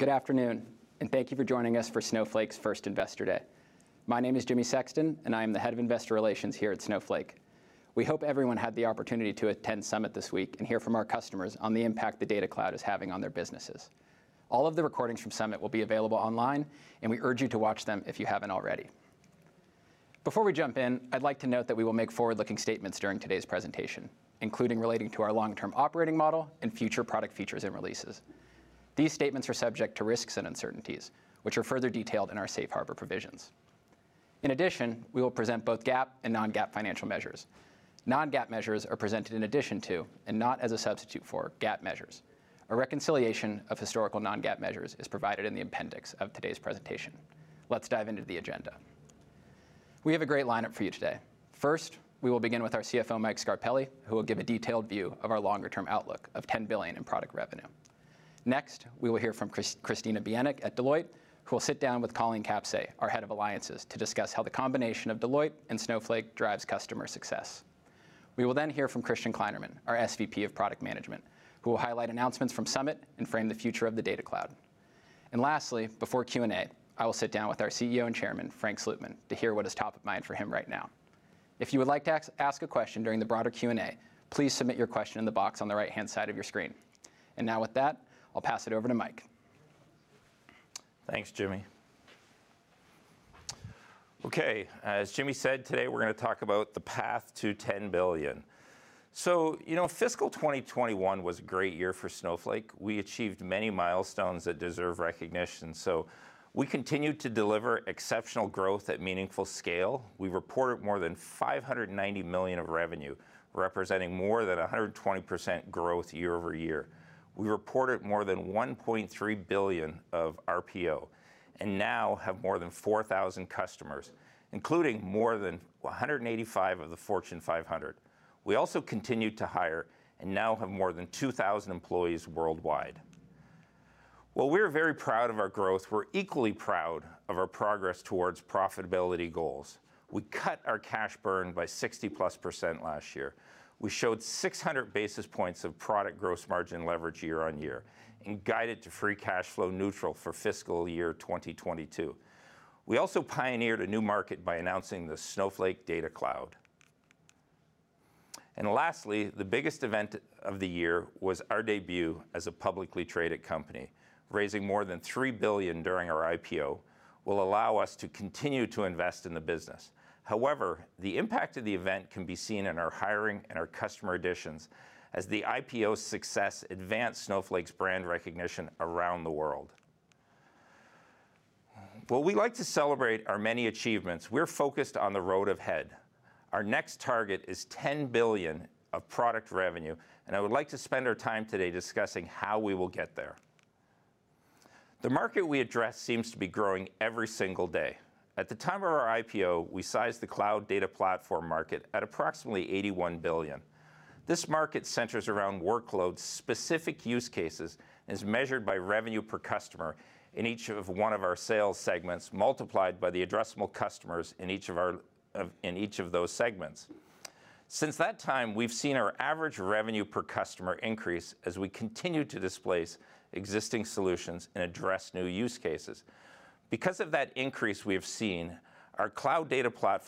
Good afternoon, and thank you for joining us for Snowflake's first Investor Day. My name is Jimmy Sexton, and I'm the Head of Investor Relations here at Snowflake. We hope everyone had the opportunity to attend Summit this week to hear from our customers on the impact the Data Cloud is having on their businesses. All of the recordings from Summit will be available online, and we urge you to watch them if you haven't already. Before we jump in, I'd like to note that we will make forward-looking statements during today's presentation, including relating to our long-term operating model and future product features and releases. These statements are subject to risks and uncertainties, which are further detailed in our safe harbor provisions. In addition, we will present both GAAP and non-GAAP financial measures. Non-GAAP measures are presented in addition to, and not as a substitute for, GAAP measures. A reconciliation of historical non-GAAP measures is provided in the appendix of today's presentation. Let's dive into the agenda. We have a great lineup for you today. First, we will begin with our CFO, Mike Scarpelli, who will give a detailed view of our longer-term outlook of $10 billion in product revenue. Next, we will hear from Christina Bieniek at Deloitte, who will sit down with Colleen Kapase, our Head of Alliances, to discuss how the combination of Deloitte and Snowflake drives customer success. We will then hear from Christian Kleinerman, our SVP of Product Management, who will highlight announcements from Summit and frame the future of the Data Cloud. Lastly, before Q&A, I will sit down with our CEO and Chairman, Frank Slootman, to hear what is top of mind for him right now. If you would like to ask a question during the broader Q&A, please submit your question in the box on the right-hand side of your screen. Now with that, I'll pass it over to Mike. Thanks, Jimmy. As Jimmy said, today we're going to talk about the path to $10 billion. Fiscal 2021 was a great year for Snowflake. We achieved many milestones that deserve recognition. We continued to deliver exceptional growth at meaningful scale. We reported more than $590 million of revenue, representing more than 120% growth year-over-year. We reported more than $1.3 billion of RPO, and now have more than 4,000 customers, including more than 185 of the Fortune 500. We also continued to hire and now have more than 2,000 employees worldwide. While we are very proud of our growth, we're equally proud of our progress towards profitability goals. We cut our cash burn by 60%+ last year. We showed 600 basis points of product gross margin leverage year-on-year, and guided to free cash flow neutral for fiscal year 2022. We also pioneered a new market by announcing the Snowflake Data Cloud. Lastly, the biggest event of the year was our debut as a publicly traded company. Raising more than $3 billion during our IPO will allow us to continue to invest in the business. The impact of the event can be seen in our hiring and our customer additions as the IPO success advanced Snowflake's brand recognition around the world. We like to celebrate our many achievements, we're focused on the road ahead. Our next target is $10 billion of product revenue, and I would like to spend our time today discussing how we will get there. The market we address seems to be growing every single day. At the time of our IPO, we sized the cloud data platform market at approximately $81 billion. This market centers around workload-specific use cases and is measured by revenue per customer in each of one of our sales segments, multiplied by the addressable customers in each of those segments. Since that time, we've seen our average revenue per customer increase as we continue to displace existing solutions and address new use cases. Because of that increase we have seen, our Data Cloud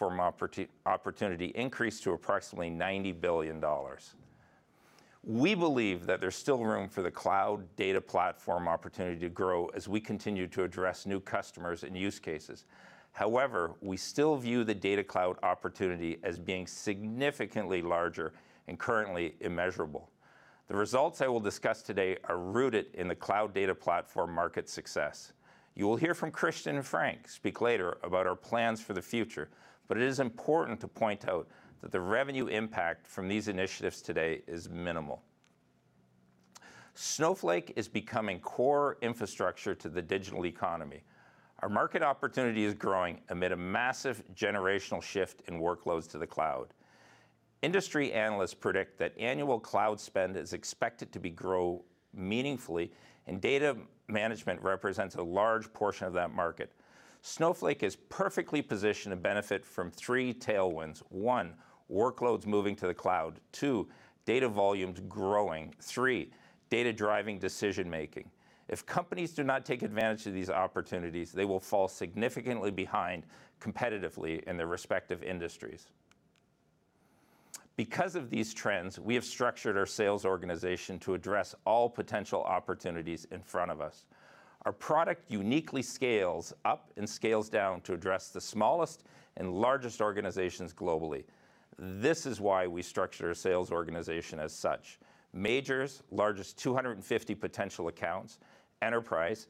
opportunity increase to approximately $90 billion. We believe that there's still room for the Data Cloud opportunity to grow as we continue to address new customers and use cases. However, we still view the Data Cloud opportunity as being significantly larger and currently immeasurable. The results I will discuss today are rooted in the Data Cloud market success. You will hear from Christian and Frank speak later about our plans for the future, but it is important to point out that the revenue impact from these initiatives today is minimal. Snowflake is becoming core infrastructure to the digital economy. Our market opportunity is growing amid a massive generational shift in workloads to the cloud. Industry analysts predict that annual cloud spend is expected to grow meaningfully, and data management represents a large portion of that market. Snowflake is perfectly positioned to benefit from three tailwinds. One, workloads moving to the cloud. Two, data volumes growing. Three, data driving decision-making. If companies do not take advantage of these opportunities, they will fall significantly behind competitively in their respective industries. Because of these trends, we have structured our sales organization to address all potential opportunities in front of us. Our product uniquely scales up and scales down to address the smallest and largest organizations globally. This is why we structure our sales organization as such. Majors, largest 250 potential accounts. Enterprise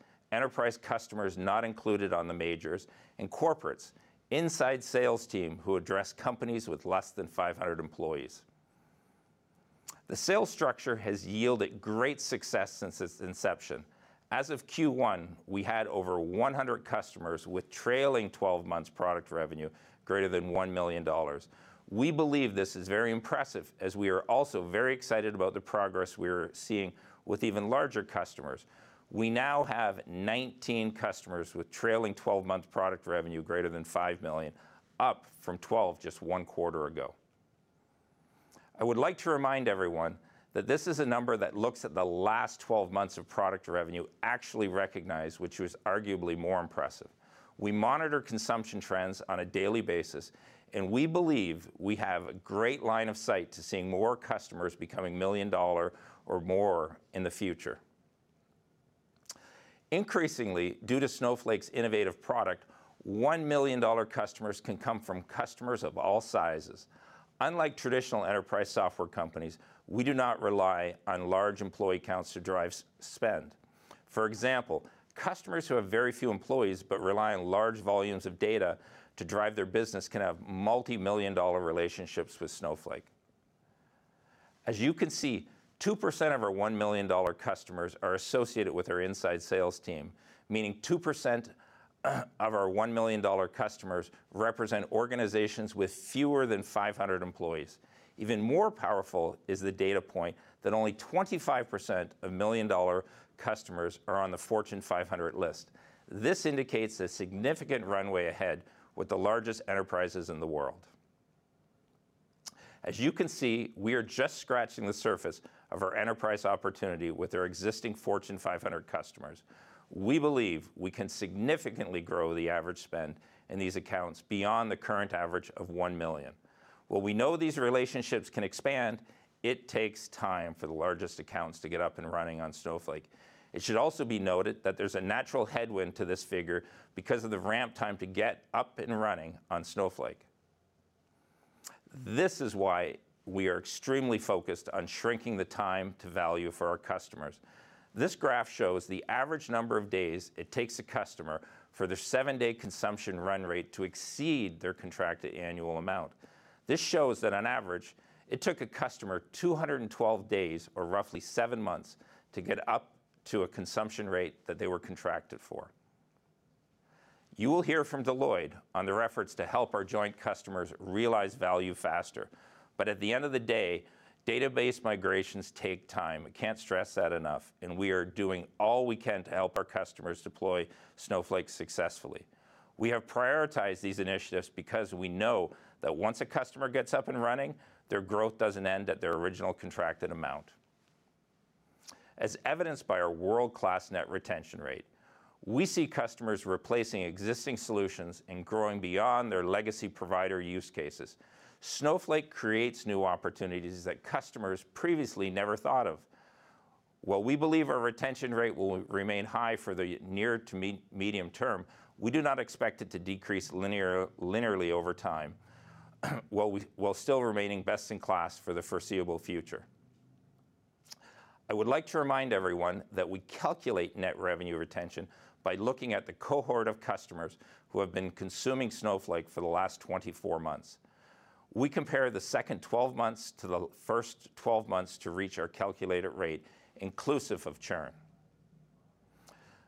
customers not included on the Majors, and Corporates, inside sales team who address companies with less than 500 employees. The sales structure has yielded great success since its inception. As of Q1, we had over 100 customers with trailing 12 months product revenue greater than $1 million. We believe this is very impressive, as we are also very excited about the progress we are seeing with even larger customers. We now have 19 customers with trailing 12 months product revenue greater than $5 million, up from 12 just one quarter ago. I would like to remind everyone that this is a number that looks at the last 12 months of product revenue actually recognized, which was arguably more impressive. We monitor consumption trends on a daily basis, we believe we have a great line of sight to seeing more customers becoming million-dollar or more in the future. Increasingly, due to Snowflake's innovative product, $1 million customers can come from customers of all sizes. Unlike traditional enterprise software companies, we do not rely on large employee counts to drive spend. For example, customers who have very few employees but rely on large volumes of data to drive their business can have multi-million-dollar relationships with Snowflake. As you can see, 2% of our $1 million customers are associated with our inside sales team, meaning 2% of our $1 million customers represent organizations with fewer than 500 employees. Even more powerful is the data point that only 25% of million-dollar customers are on the Fortune 500 list. This indicates a significant runway ahead with the largest enterprises in the world. As you can see, we are just scratching the surface of our enterprise opportunity with our existing Fortune 500 customers. We believe we can significantly grow the average spend in these accounts beyond the current average of $1 million. While we know these relationships can expand, it takes time for the largest accounts to get up and running on Snowflake. It should also be noted that there's a natural headwind to this figure because of the ramp time to get up and running on Snowflake. This is why we are extremely focused on shrinking the time to value for our customers. This graph shows the average number of days it takes a customer for their seven-day consumption run rate to exceed their contracted annual amount. This shows that on average, it took a customer 212 days, or roughly seven months, to get up to a consumption rate that they were contracted for. You will hear from Deloitte on their efforts to help our joint customers realize value faster. At the end of the day, database migrations take time. I can't stress that enough, and we are doing all we can to help our customers deploy Snowflake successfully. We have prioritized these initiatives because we know that once a customer gets up and running, their growth doesn't end at their original contracted amount. As evidenced by our world-class net retention rate, we see customers replacing existing solutions and growing beyond their legacy provider use cases. Snowflake creates new opportunities that customers previously never thought of. While we believe our retention rate will remain high for the near to medium term, we do not expect it to decrease linearly over time, while still remaining best in class for the foreseeable future. I would like to remind everyone that we calculate net revenue retention by looking at the cohort of customers who have been consuming Snowflake for the last 24 months. We compare the second 12 months to the first 12 months to reach our calculated rate, inclusive of churn.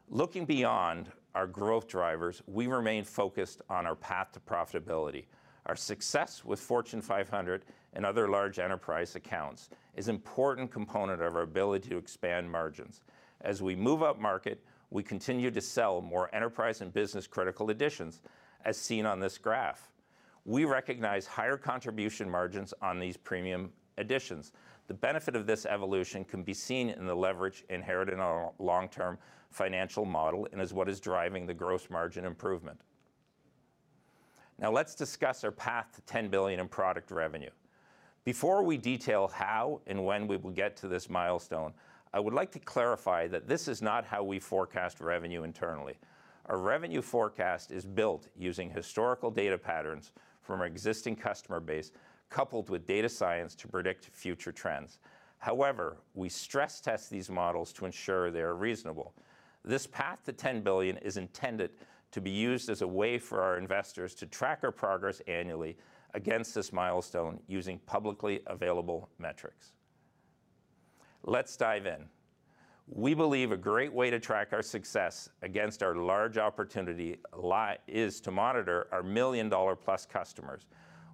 Looking beyond our growth drivers, we remain focused on our path to profitability. Our success with Fortune 500 and other large enterprise accounts is an important component of our ability to expand margins. As we move upmarket, we continue to sell more enterprise and business-critical editions, as seen on this graph. We recognize higher contribution margins on these premium editions. The benefit of this evolution can be seen in the leverage inherited in our long-term financial model and is what is driving the gross margin improvement. Let's discuss our path to $10 billion in product revenue. Before we detail how and when we will get to this milestone, I would like to clarify that this is not how we forecast revenue internally. Our revenue forecast is built using historical data patterns from our existing customer base, coupled with data science to predict future trends. We stress-test these models to ensure they are reasonable. This path to $10 billion is intended to be used as a way for our investors to track our progress annually against this milestone using publicly available metrics. Let's dive in. We believe a great way to track our success against our large opportunity is to monitor our million-dollar-plus customers.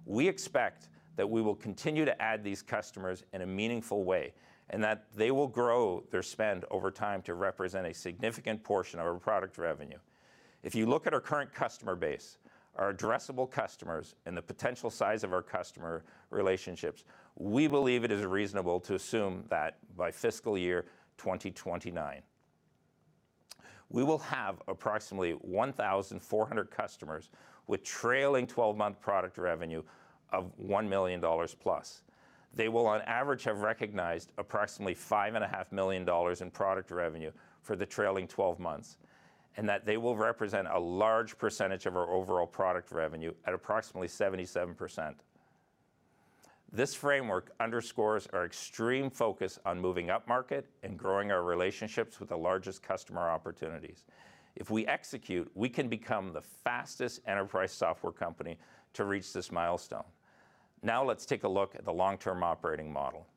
We expect that we will continue to add these customers in a meaningful way, and that they will grow their spend over time to represent a significant portion of our product revenue. If you look at our current customer base, our addressable customers, and the potential size of our customer relationships, we believe it is reasonable to assume that by fiscal year 2029, we will have approximately 1,400 customers with trailing 12-month product revenue of $1 million+. They will, on average, have recognized approximately $5.5 million in product revenue for the trailing 12 months, and that they will represent a large percentage of our overall product revenue at approximately 77%. This framework underscores our extreme focus on moving upmarket and growing our relationships with the largest customer opportunities. If we execute, we can become the fastest enterprise software company to reach this milestone. Let's take a look at the long-term operating model.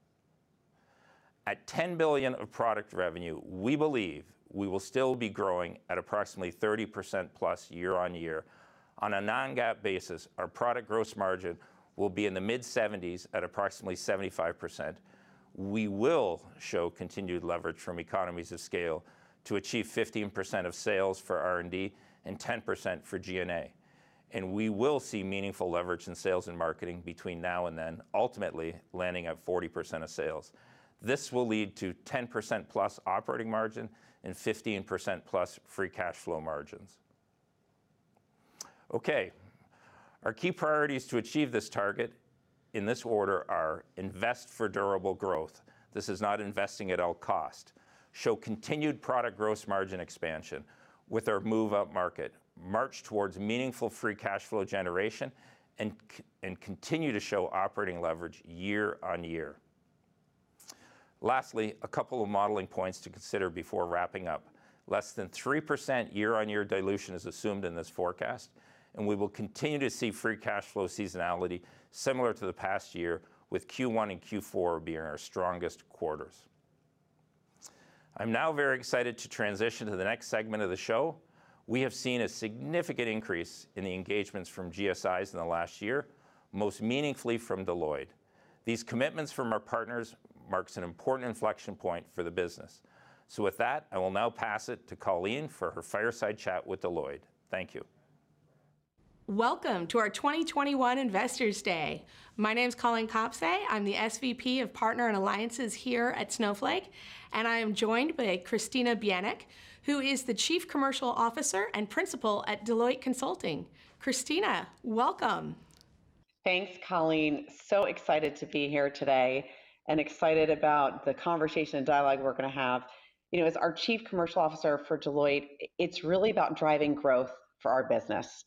At $10 billion of product revenue, we believe we will still be growing at approximately 30%+ year-on-year. On a non-GAAP basis, our product gross margin will be in the mid-70%s at approximately 75%. We will show continued leverage from economies of scale to achieve 15% of sales for R&D and 10% for G&A. We will see meaningful leverage in sales and marketing between now and then, ultimately landing at 40% of sales. This will lead to 10%+ operating margin and 15%+ free cash flow margins. Okay. Our key priorities to achieve this target, in this order are, invest for durable growth. This is not investing at all costs. Show continued product gross margin expansion with our move upmarket. March towards meaningful free cash flow generation. Continue to show operating leverage year-over-year. Lastly, a couple of modeling points to consider before wrapping up. Less than 3% year-over-year dilution is assumed in this forecast, and we will continue to see free cash flow seasonality similar to the past year, with Q1 and Q4 being our strongest quarters. I'm now very excited to transition to the next segment of the show. We have seen a significant increase in the engagements from GSIs in the last year, most meaningfully from Deloitte. These commitments from our partners marks an important inflection point for the business. With that, I will now pass it to Colleen for her fireside chat with Deloitte. Thank you. Welcome to our 2021 Investors Day. My name's Colleen Kapase. I'm the SVP of Partner and Alliances here at Snowflake. I am joined by Christina Bieniek, who is the Chief Commercial Officer and Principal at Deloitte Consulting. Christina, welcome. Thanks, Colleen. Excited to be here today and excited about the conversation and dialogue we're going to have. As our Chief Commercial Officer for Deloitte, it's really about driving growth for our business.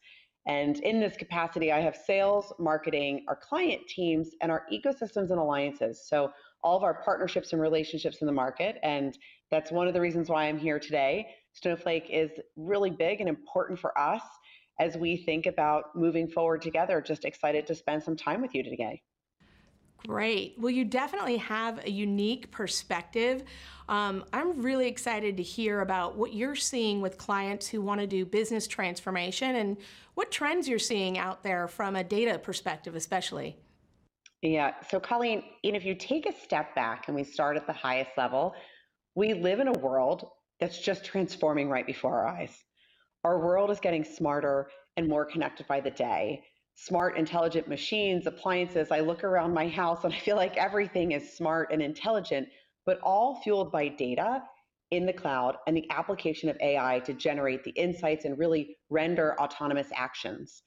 In this capacity, I have sales, marketing, our client teams, and our ecosystems and alliances, so all of our partnerships and relationships in the market, and that's one of the reasons why I'm here today. Snowflake is really big and important for us as we think about moving forward together. Just excited to spend some time with you today. Great. Well, you definitely have a unique perspective. I'm really excited to hear about what you're seeing with clients who want to do business transformation and what trends you're seeing out there from a data perspective, especially. Colleen, if you take a step back and we start at the highest level, we live in a world that's just transforming right before our eyes. Our world is getting smarter and more connected by the day. Smart, intelligent machines, appliances. I look around my house, I feel like everything is smart and intelligent. All fueled by data in the cloud and the application of AI to generate the insights and really render autonomous actions.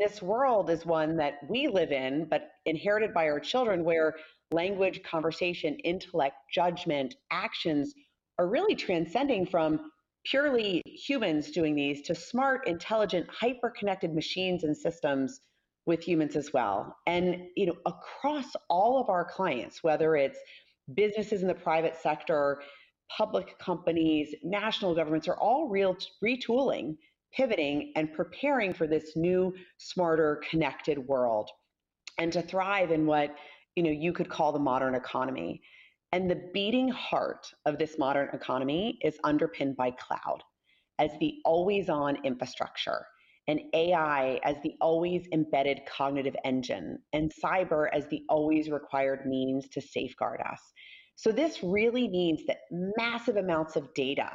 This world is one that we live in, but inherited by our children, where language, conversation, intellect, judgment, actions, are really transcending from purely humans doing these to smart, intelligent, hyper-connected machines and systems with humans as well. Across all of our clients, whether it's businesses in the private sector, public companies, national governments, are all retooling, pivoting, and preparing for this new, smarter, connected world, and to thrive in what you could call the modern economy. The beating heart of this modern economy is underpinned by cloud as the always-on infrastructure, and AI as the always embedded cognitive engine, and cyber as the always required means to safeguard us. This really means that massive amounts of data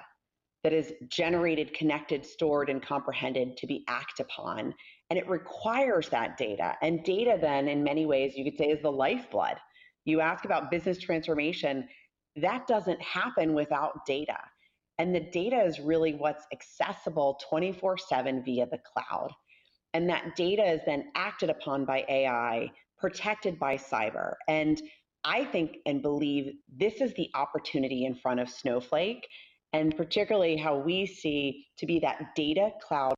that is generated, connected, stored, and comprehended to be acted upon, and it requires that data. Data then in many ways you could say is the lifeblood. You ask about business transformation, that doesn't happen without data. The data is really what's accessible 24/7 via the cloud. That data is then acted upon by AI, protected by cyber. I think and believe this is the opportunity in front of Snowflake, and particularly how we see to be that Data Cloud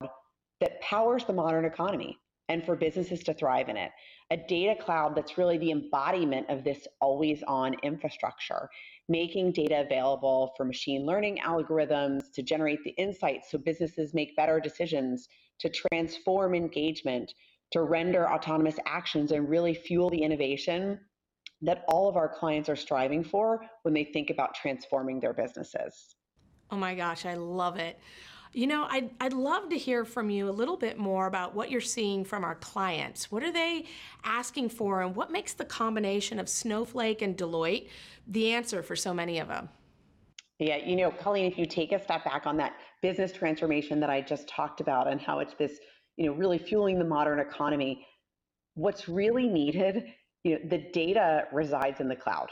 that powers the modern economy, and for businesses to thrive in it. A Data Cloud that's really the embodiment of this always-on infrastructure, making data available for machine learning algorithms to generate the insights so businesses make better decisions, to transform engagement, to render autonomous actions, and really fuel the innovation that all of our clients are striving for when they think about transforming their businesses. Oh my gosh, I love it. I'd love to hear from you a little bit more about what you're seeing from our clients. What are they asking for, and what makes the combination of Snowflake and Deloitte the answer for so many of them? Yeah. Colleen, if you take a step back on that business transformation that I just talked about and how it's really fueling the modern economy, what's really needed, the data resides in the cloud.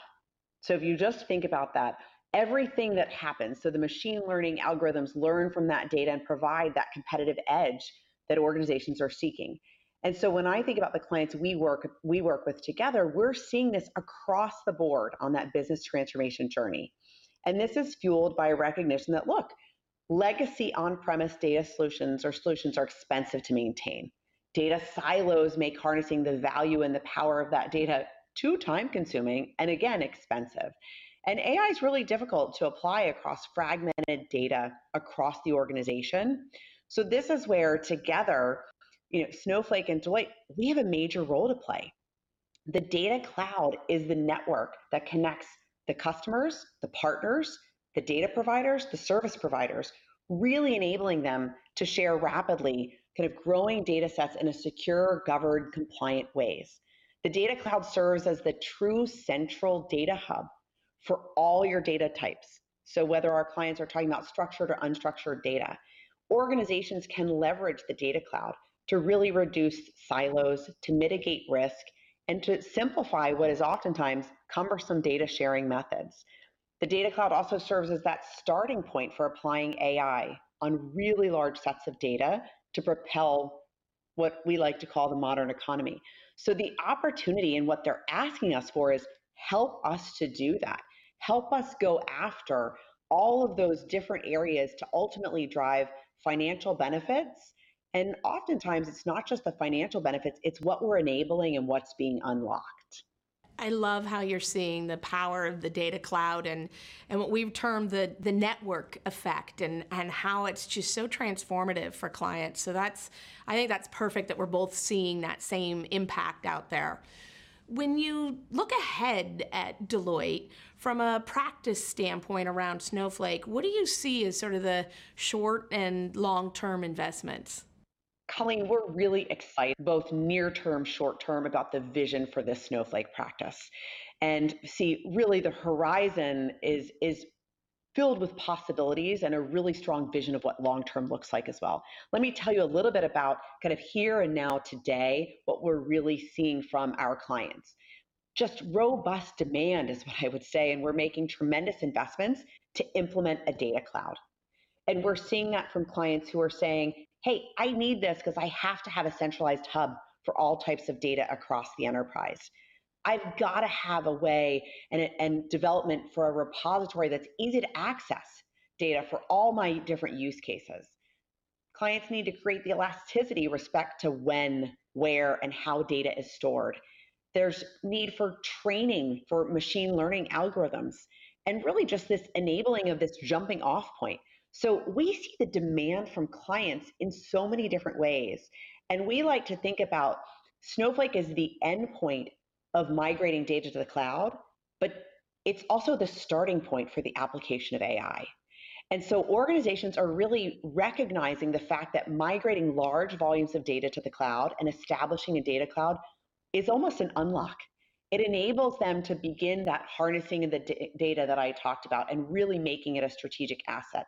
If you just think about that, everything that happens, so the machine learning algorithms learn from that data and provide that competitive edge that organizations are seeking. When I think about the clients we work with together, we're seeing this across the board on that business transformation journey. This is fueled by recognition that look, legacy on-premise data solutions or solutions are expensive to maintain. Data silos make harnessing the value and the power of that data too time-consuming, and again, expensive. AI's really difficult to apply across fragmented data across the organization. This is where together, Snowflake and Deloitte, we have a major role to play. The Data Cloud is the network that connects the customers, the partners, the data providers, the service providers, really enabling them to share rapidly the growing data sets in a secure, governed, compliant way. The Data Cloud serves as the true central data hub for all your data types. Whether our clients are talking about structured or unstructured data, organizations can leverage the Data Cloud to really reduce silos, to mitigate risk, and to simplify what is oftentimes cumbersome data sharing methods. The Data Cloud also serves as that starting point for applying AI on really large sets of data to propel what we like to call the modern economy. The opportunity and what they're asking us for is, "Help us to do that. Help us go after all of those different areas to ultimately drive financial benefits. Oftentimes it's not just the financial benefits, it's what we're enabling and what's being unlocked. I love how you're seeing the power of the Data Cloud and what we've termed the network effect, and how it's just so transformative for clients. I think that's perfect that we're both seeing that same impact out there. When you look ahead at Deloitte from a practice standpoint around Snowflake, what do you see as sort of the short and long-term investments? Colleen, we're really excited, both near term, short term, about the vision for the Snowflake practice. See, really the horizon is filled with possibilities and a really strong vision of what long term looks like as well. Let me tell you a little bit about here and now today, what we're really seeing from our clients. Just robust demand is what I would say, and we're making tremendous investments to implement a Data Cloud. We're seeing that from clients who are saying, "Hey, I need this because I have to have a centralized hub for all types of data across the enterprise. I've got to have a way and development for a repository that's easy to access data for all my different use cases." Clients need to create the elasticity with respect to when, where, and how data is stored. There's need for training for machine learning algorithms, really just this enabling of this jumping-off point. We see the demand from clients in so many different ways, and we like to think about Snowflake as the endpoint of migrating data to the cloud, but it's also the starting point for the application of AI. Organizations are really recognizing the fact that migrating large volumes of data to the cloud and establishing a Data Cloud is almost an unlock. It enables them to begin that harnessing of the data that I talked about and really making it a strategic asset.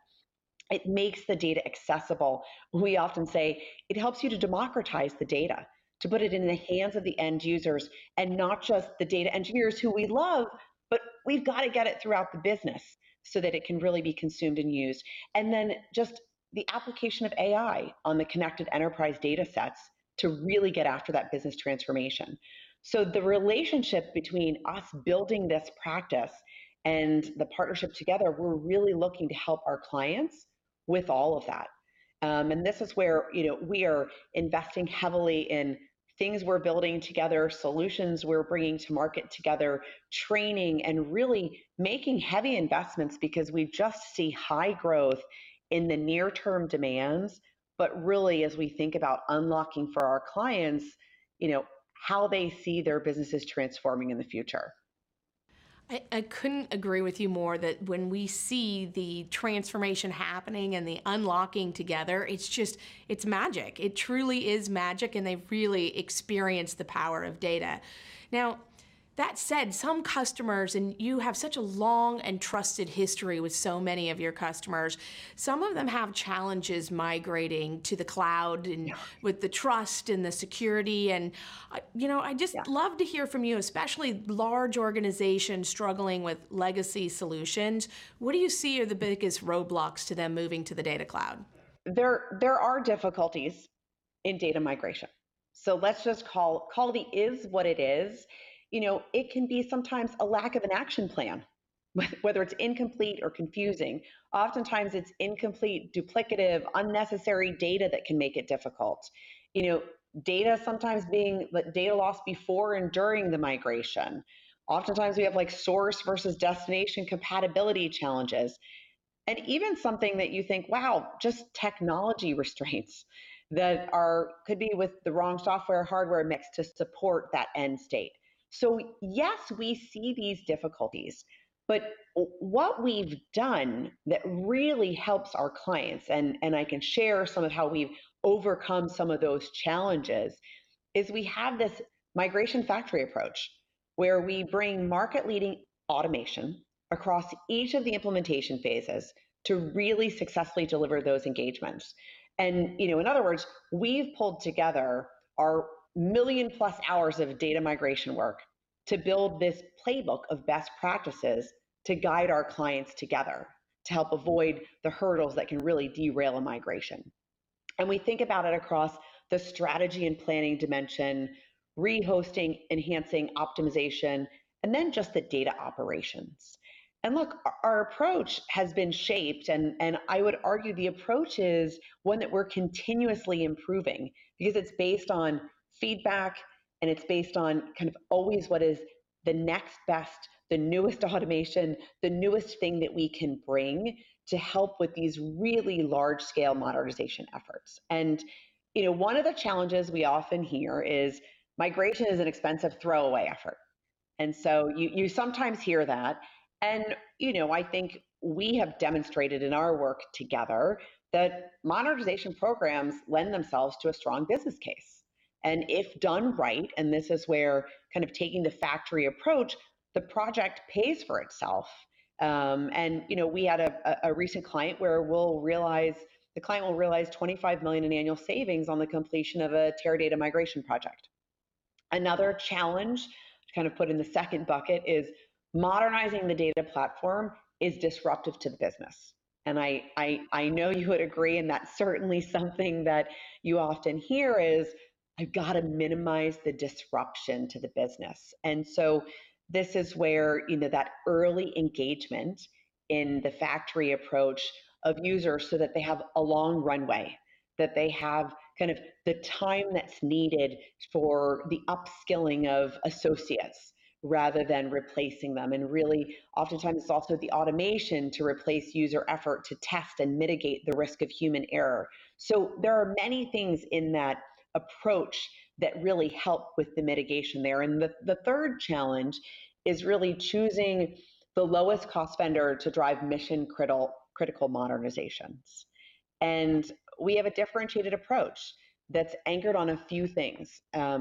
It makes the data accessible. We often say it helps you to democratize the data, to put it in the hands of the end users and not just the data engineers, who we love, but we've got to get it throughout the business so that it can really be consumed and used. Just the application of AI on the connected enterprise data sets to really get after that business transformation. The relationship between us building this practice and the partnership together, we're really looking to help our clients with all of that. This is where we are investing heavily in things we're building together, solutions we're bringing to market together, training, and really making heavy investments because we just see high growth in the near-term demands, but really as we think about unlocking for our clients, how they see their businesses transforming in the future. I couldn't agree with you more that when we see the transformation happening and the unlocking together, it's magic. It truly is magic, and they really experience the power of data. Now, that said, some customers, and you have such a long and trusted history with so many of your customers, some of them have challenges migrating to the cloud with the trust and the security. I'd just love to hear from you, especially large organizations struggling with legacy solutions, what do you see are the biggest roadblocks to them moving to the Data Cloud? There are difficulties in data migration, so let's just call it is what it is. It can be sometimes a lack of an action plan, whether it's incomplete or confusing. Oftentimes, it's incomplete, duplicative, unnecessary data that can make it difficult. Data loss before and during the migration. Oftentimes, we have source versus destination compatibility challenges, and even something that you think, wow, just technology restraints that could be with the wrong software or hardware mix to support that end state. Yes, we see these difficulties, but what we've done that really helps our clients, and I can share some of how we've overcome some of those challenges, is we have this migration factory approach where we bring market-leading automation across each of the implementation phases to really successfully deliver those engagements. In other words, we've pulled together our million-plus hours of data migration work to build this playbook of best practices to guide our clients together to help avoid the hurdles that can really derail a migration. We think about it across the strategy and planning dimension, rehosting, enhancing optimization, and then just the data operations. Look, our approach has been shaped, and I would argue the approach is one that we're continuously improving because it's based on feedback and it's based on always what is the next best, the newest automation, the newest thing that we can bring to help with these really large-scale modernization efforts. One of the challenges we often hear is migration is an expensive throwaway effort. You sometimes hear that, and I think we have demonstrated in our work together that modernization programs lend themselves to a strong business case. If done right, and this is where taking the factory approach, the project pays for itself. We had a recent client where the client will realize $25 million in annual savings on the completion of a Teradata migration project. Another challenge to put in the second bucket is modernizing the data platform is disruptive to the business. I know you would agree, and that's certainly something that you often hear is you've got to minimize the disruption to the business. This is where that early engagement in the factory approach of users so that they have a long runway, that they have the time that's needed for the upskilling of associates rather than replacing them. Really, oftentimes it's also the automation to replace user effort to test and mitigate the risk of human error. There are many things in that approach that really help with the mitigation there. The third challenge is really choosing the lowest cost vendor to drive mission-critical modernizations. We have a differentiated approach that's anchored on a few things.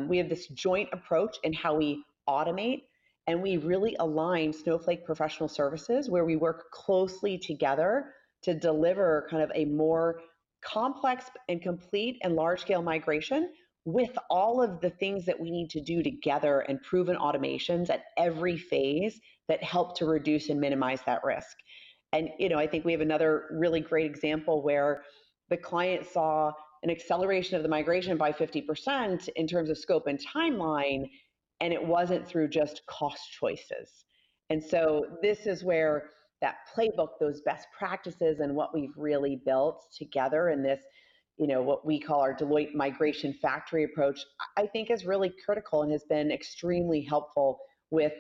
We have this joint approach in how we automate, and we really align Snowflake Professional Services, where we work closely together to deliver a more complex and complete and large-scale migration with all of the things that we need to do together and proven automations at every phase that help to reduce and minimize that risk. I think we have another really great example where the client saw an acceleration of the migration by 50% in terms of scope and timeline, and it wasn't through just cost choices. This is where that playbook, those best practices, and what we've really built together in what we call our Deloitte Migration Factory approach, I think is really critical and has been extremely helpful with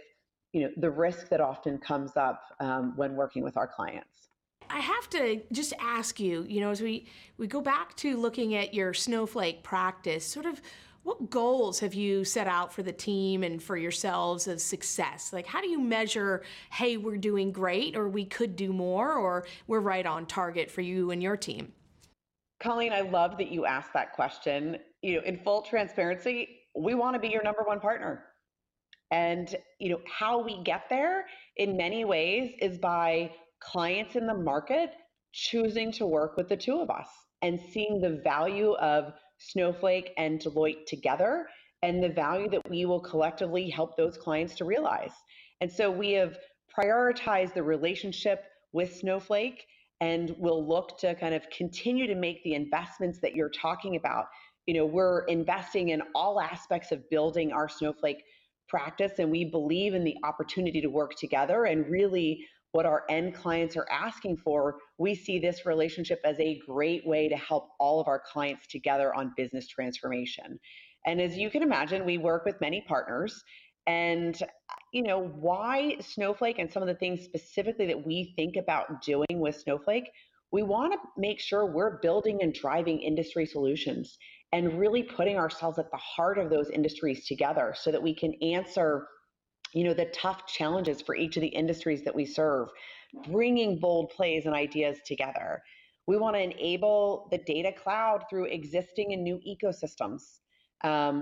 the risk that often comes up when working with our clients. I have to just ask you, as we go back to looking at your Snowflake practice, what goals have you set out for the team and for yourselves as success? How do you measure, "Hey, we're doing great," or, "We could do more," or, "We're right on target for you and your team? Colleen, I love that you asked that question. In full transparency, we want to be your number one partner. How we get there, in many ways, is by clients in the market choosing to work with the two of us and seeing the value of Snowflake and Deloitte together, and the value that we will collectively help those clients to realize. We have prioritized the relationship with Snowflake, and we'll look to continue to make the investments that you're talking about. We're investing in all aspects of building our Snowflake practice, and we believe in the opportunity to work together and really what our end clients are asking for. We see this relationship as a great way to help all of our clients together on business transformation. As you can imagine, we work with many partners. Why Snowflake and some of the things specifically that we think about doing with Snowflake, we want to make sure we're building and driving industry solutions and really putting ourselves at the heart of those industries together so that we can answer the tough challenges for each of the industries that we serve, bringing bold plays and ideas together. We want to enable the Data Cloud through existing and new ecosystems.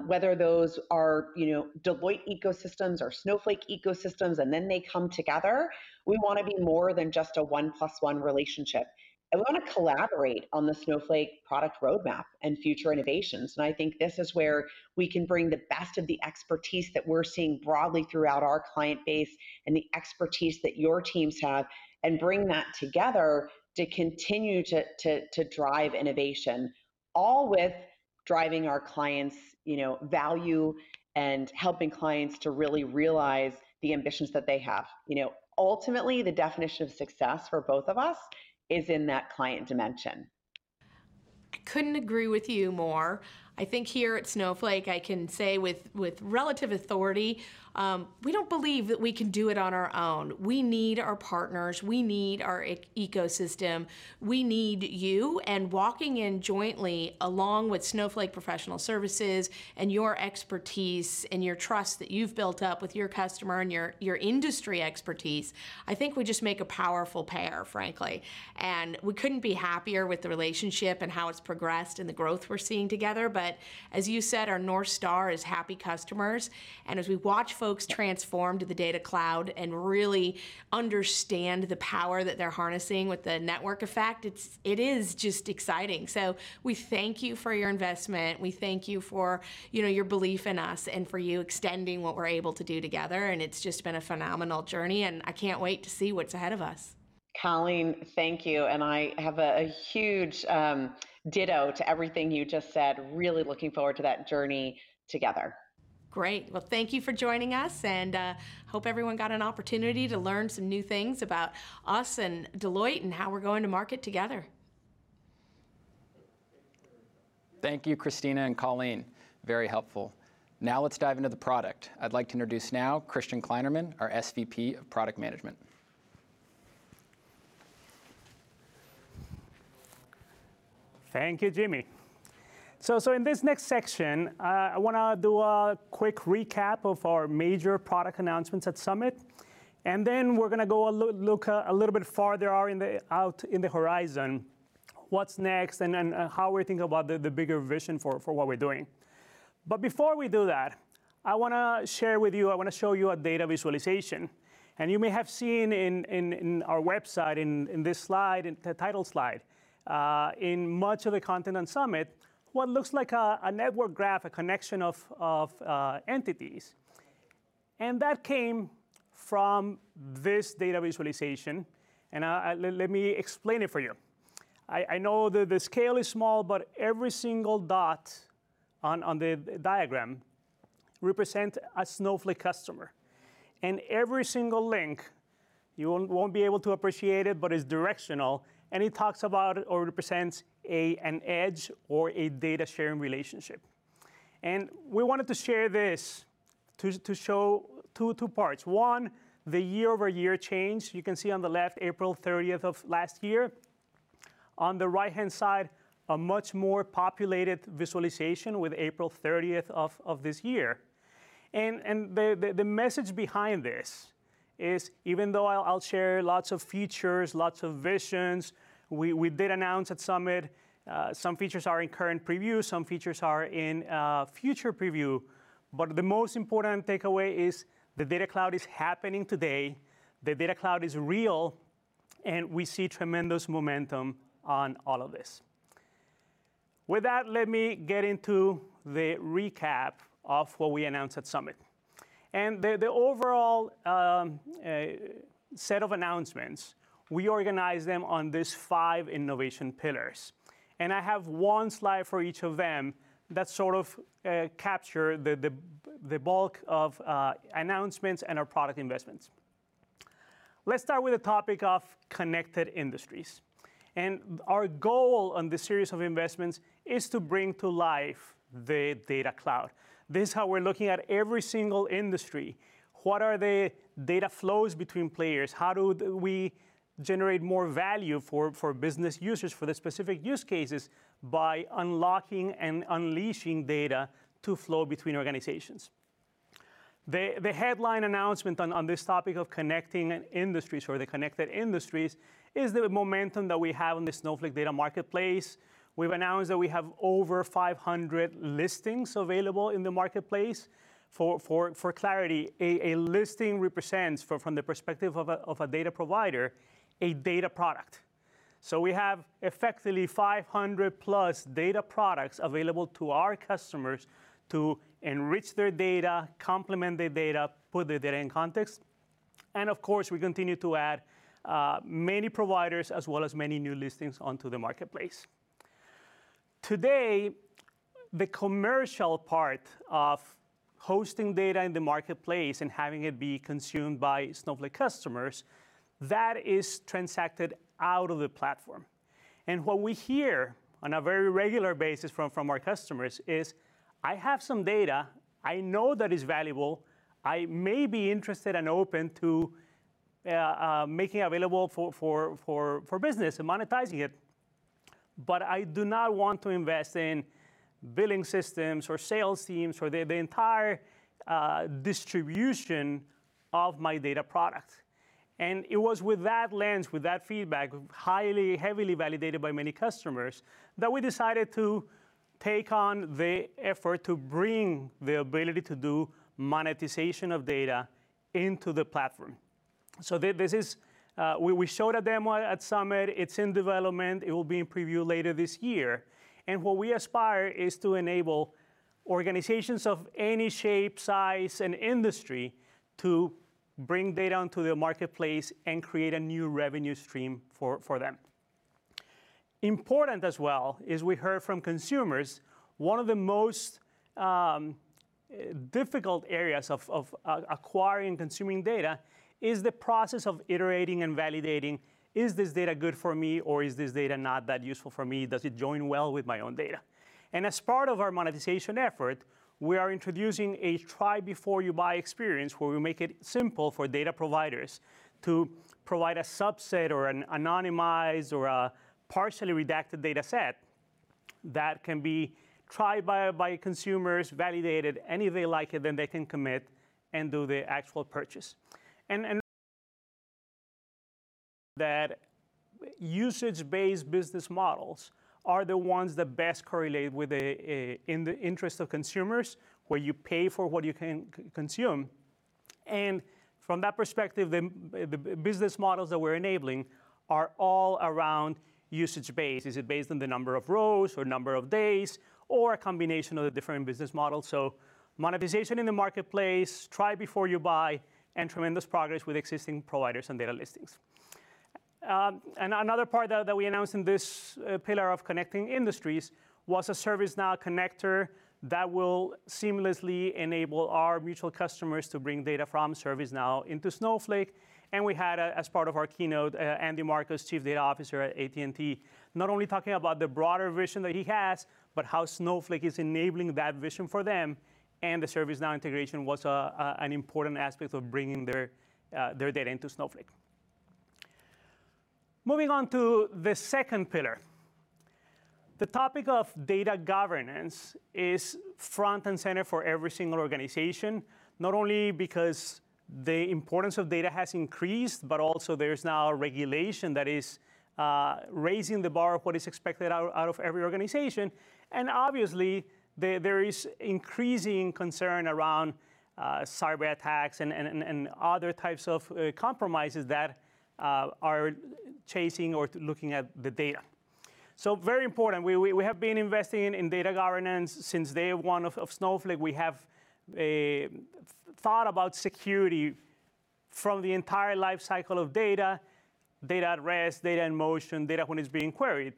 Whether those are Deloitte ecosystems or Snowflake ecosystems, and then they come together, we want to be more than just a one plus one relationship, and want to collaborate on the Snowflake product roadmap and future innovations. I think this is where we can bring the best of the expertise that we're seeing broadly throughout our client base and the expertise that your teams have and bring that together to continue to drive innovation, all with driving our clients value and helping clients to really realize the ambitions that they have. Ultimately, the definition of success for both of us is in that client dimension. I couldn't agree with you more. I think here at Snowflake, I can say with relative authority, we don't believe that we can do it on our own. We need our partners. We need our ecosystem. We need you. Walking in jointly, along with Snowflake professional services and your expertise and your trust that you've built up with your customer and your industry expertise, I think we just make a powerful pair, frankly. We couldn't be happier with the relationship and how it's progressed and the growth we're seeing together. As you said, our North Star is happy customers, and as we watch folks transform to the Data Cloud and really understand the power that they're harnessing with the network effect, it is just exciting. We thank you for your investment. We thank you for your belief in us and for you extending what we're able to do together. It's just been a phenomenal journey. I can't wait to see what's ahead of us. Colleen, thank you. I have a huge ditto to everything you just said. Really looking forward to that journey together. Great. Well, thank you for joining us. Hope everyone got an opportunity to learn some new things about us and Deloitte and how we're going to market together. Thank you, Christina and Colleen. Very helpful. Now let's dive into the product. I'd like to introduce now Christian Kleinerman, our SVP of Product Management. Thank you, Jimmy. In this next section, I want to do a quick recap of our major product announcements at Snowflake Summit, and then we're going to go look a little bit farther out in the horizon, what's next, and then how we think about the bigger vision for what we're doing. Before we do that, I want to share with you, I want to show you a data visualization. You may have seen in our website, in the title slide, in much of the content on Snowflake Summit, what looks like a network graph, a connection of entities. That came from this data visualization, and let me explain it for you. I know that the scale is small, but every single dot on the diagram represents a Snowflake customer. Every single link, you won't be able to appreciate it, but it's directional, and it talks about or represents an edge or a data-sharing relationship. We wanted to share this to show two parts. One, the year-over-year change. You can see on the left, April 30th of last year. On the right-hand side, a much more populated visualization with April 30th of this year. The message behind this is, even though I'll share lots of features, lots of visions, we did announce at Summit some features are in current preview, some features are in future preview, but the most important takeaway is the Data Cloud is happening today, the Data Cloud is real, and we see tremendous momentum on all of this. With that, let me get into the recap of what we announced at Summit. The overall set of announcements, we organized them on these five innovation pillars. I have 1 slide for each of them that sort of capture the bulk of announcements and our product investments. Let's start with the topic of connected industries. Our goal in the series of investments is to bring to life the Data Cloud. This is how we're looking at every single industry. What are the data flows between players? How do we generate more value for business users for the specific use cases by unlocking and unleashing data to flow between organizations? The headline announcement on this topic of connecting industries, or the connected industries, is the momentum that we have in the Snowflake Data Marketplace. We've announced that we have over 500 listings available in the marketplace. For clarity, a listing represents, from the perspective of a data provider, a data product. We have effectively 500+ data products available to our customers to enrich their data, complement their data, put the data in context. Of course, we continue to add many providers as well as many new listings onto the marketplace. Today, the commercial part of hosting data in the marketplace and having it be consumed by Snowflake customers, that is transacted out of the platform. What we hear on a very regular basis from our customers is, "I have some data I know that is valuable. I may be interested and open to making it available for business and monetizing it. I do not want to invest in billing systems or sales teams or the entire distribution of my data product. It was with that lens, with that feedback, heavily validated by many customers, that we decided to take on the effort to bring the ability to do monetization of data into the platform. We showed a demo at Snowflake Summit. It's in development. It will be in preview later this year. What we aspire is to enable organizations of any shape, size, and industry to bring data onto the Snowflake Data Marketplace and create a new revenue stream for them. Important as well is we heard from consumers, one of the most difficult areas of acquiring and consuming data is the process of iterating and validating. Is this data good for me, or is this data not that useful for me? Does it join well with my own data? As part of our monetization effort, we are introducing a try before you buy experience, where we make it simple for data providers to provide a subset or an anonymized or a partially redacted data set that can be tried by consumers, validated, and if they like it, then they can commit and do the actual purchase. That usage-based business models are the ones that best correlate with in the interest of consumers, where you pay for what you consume. From that perspective, the business models that we're enabling are all around usage-based. Is it based on the number of rows or number of days, or a combination of the different business models? Monetization in the marketplace, try before you buy, and tremendous progress with existing providers and data listings. Another part that we announced in this pillar of connecting industries was a ServiceNow connector that will seamlessly enable our mutual customers to bring data from ServiceNow into Snowflake. We had, as part of our keynote, Andy Markus, Chief Data Officer at AT&T, not only talking about the broader vision that he has, but how Snowflake is enabling that vision for them, and the ServiceNow integration was an important aspect of bringing their data into Snowflake. Moving on to the second pillar. The topic of data governance is front and center for every single organization, not only because the importance of data has increased, but also there's now a regulation that is raising the bar of what is expected out of every organization. Obviously, there is increasing concern around cyberattacks and other types of compromises that are chasing or looking at the data. Very important, we have been investing in data governance since day one of Snowflake. We have thought about security from the entire life cycle of data at rest, data in motion, data when it's being queried.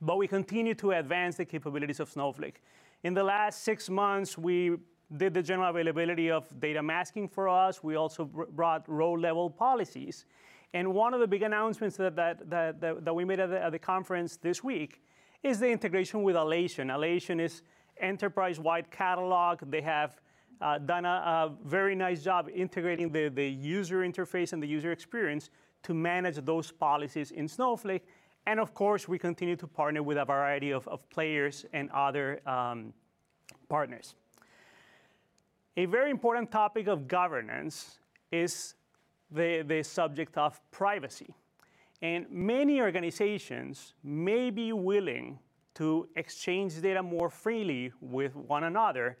We continue to advance the capabilities of Snowflake. In the last six months, we did the general availability of data masking for us. We also brought row access policies. One of the big announcements that we made at the conference this week is the integration with Alation. Alation is enterprise data catalog. They have done a very nice job integrating the user interface and the user experience to manage those policies in Snowflake, and of course, we continue to partner with a variety of players and other partners. A very important topic of governance is the subject of privacy. Many organizations may be willing to exchange data more freely with one another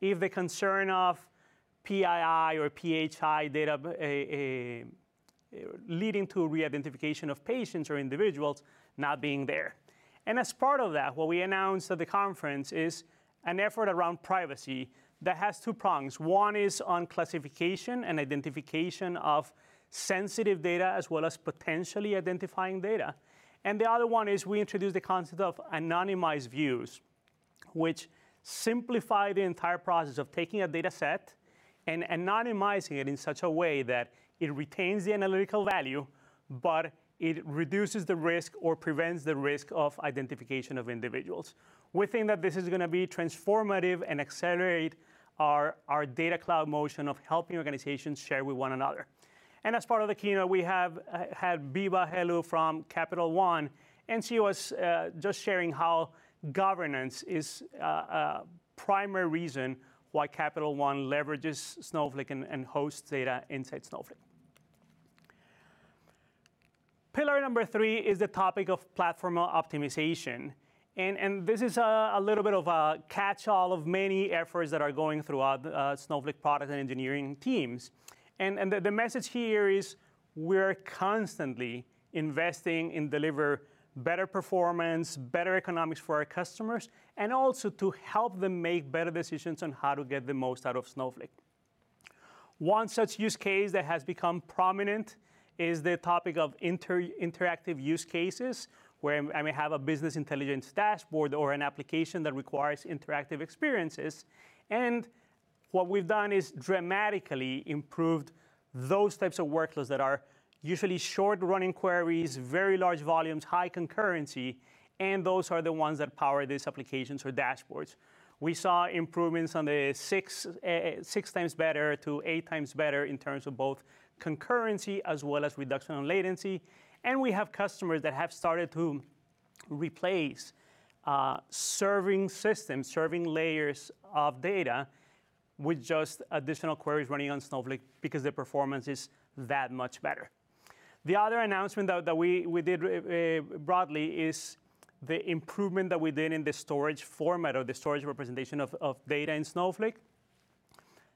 if the concern of PII or PHI data leading to re-identification of patients or individuals not being there. As part of that, what we announced at the conference is an effort around privacy that has two prongs. One is on classification and identification of sensitive data, as well as potentially identifying data. The other one is we introduced the concept of anonymized views, which simplify the entire process of taking a data set and anonymizing it in such a way that it retains the analytical value, but it reduces the risk or prevents the risk of identification of individuals. We think that this is going to be transformative and accelerate our Data Cloud motion of helping organizations share with one another. As part of the keynote, we have Vibha Ahlawat from Capital One, and she was just sharing how governance is a primary reason why Capital One leverages Snowflake and hosts data inside Snowflake. Pillar number three is the topic of platform optimization, and this is a little bit of a catch-all of many efforts that are going throughout Snowflake product engineering teams. The message here is we're constantly investing and deliver better performance, better economics for our customers, and also to help them make better decisions on how to get the most out of Snowflake. One such use case that has become prominent is the topic of interactive use cases, where we have a business intelligence dashboard or an application that requires interactive experiences. What we've done is dramatically improved those types of workloads that are usually short-running queries, very large volumes, high concurrency, and those are the ones that power these applications or dashboards. We saw improvements on the 6x better to 8x better in terms of both concurrency as well as reduction in latency, and we have customers that have started to replace serving systems, serving layers of data, with just additional queries running on Snowflake because the performance is that much better. The other announcement that we did broadly is the improvement that we did in the storage format or the storage representation of data in Snowflake.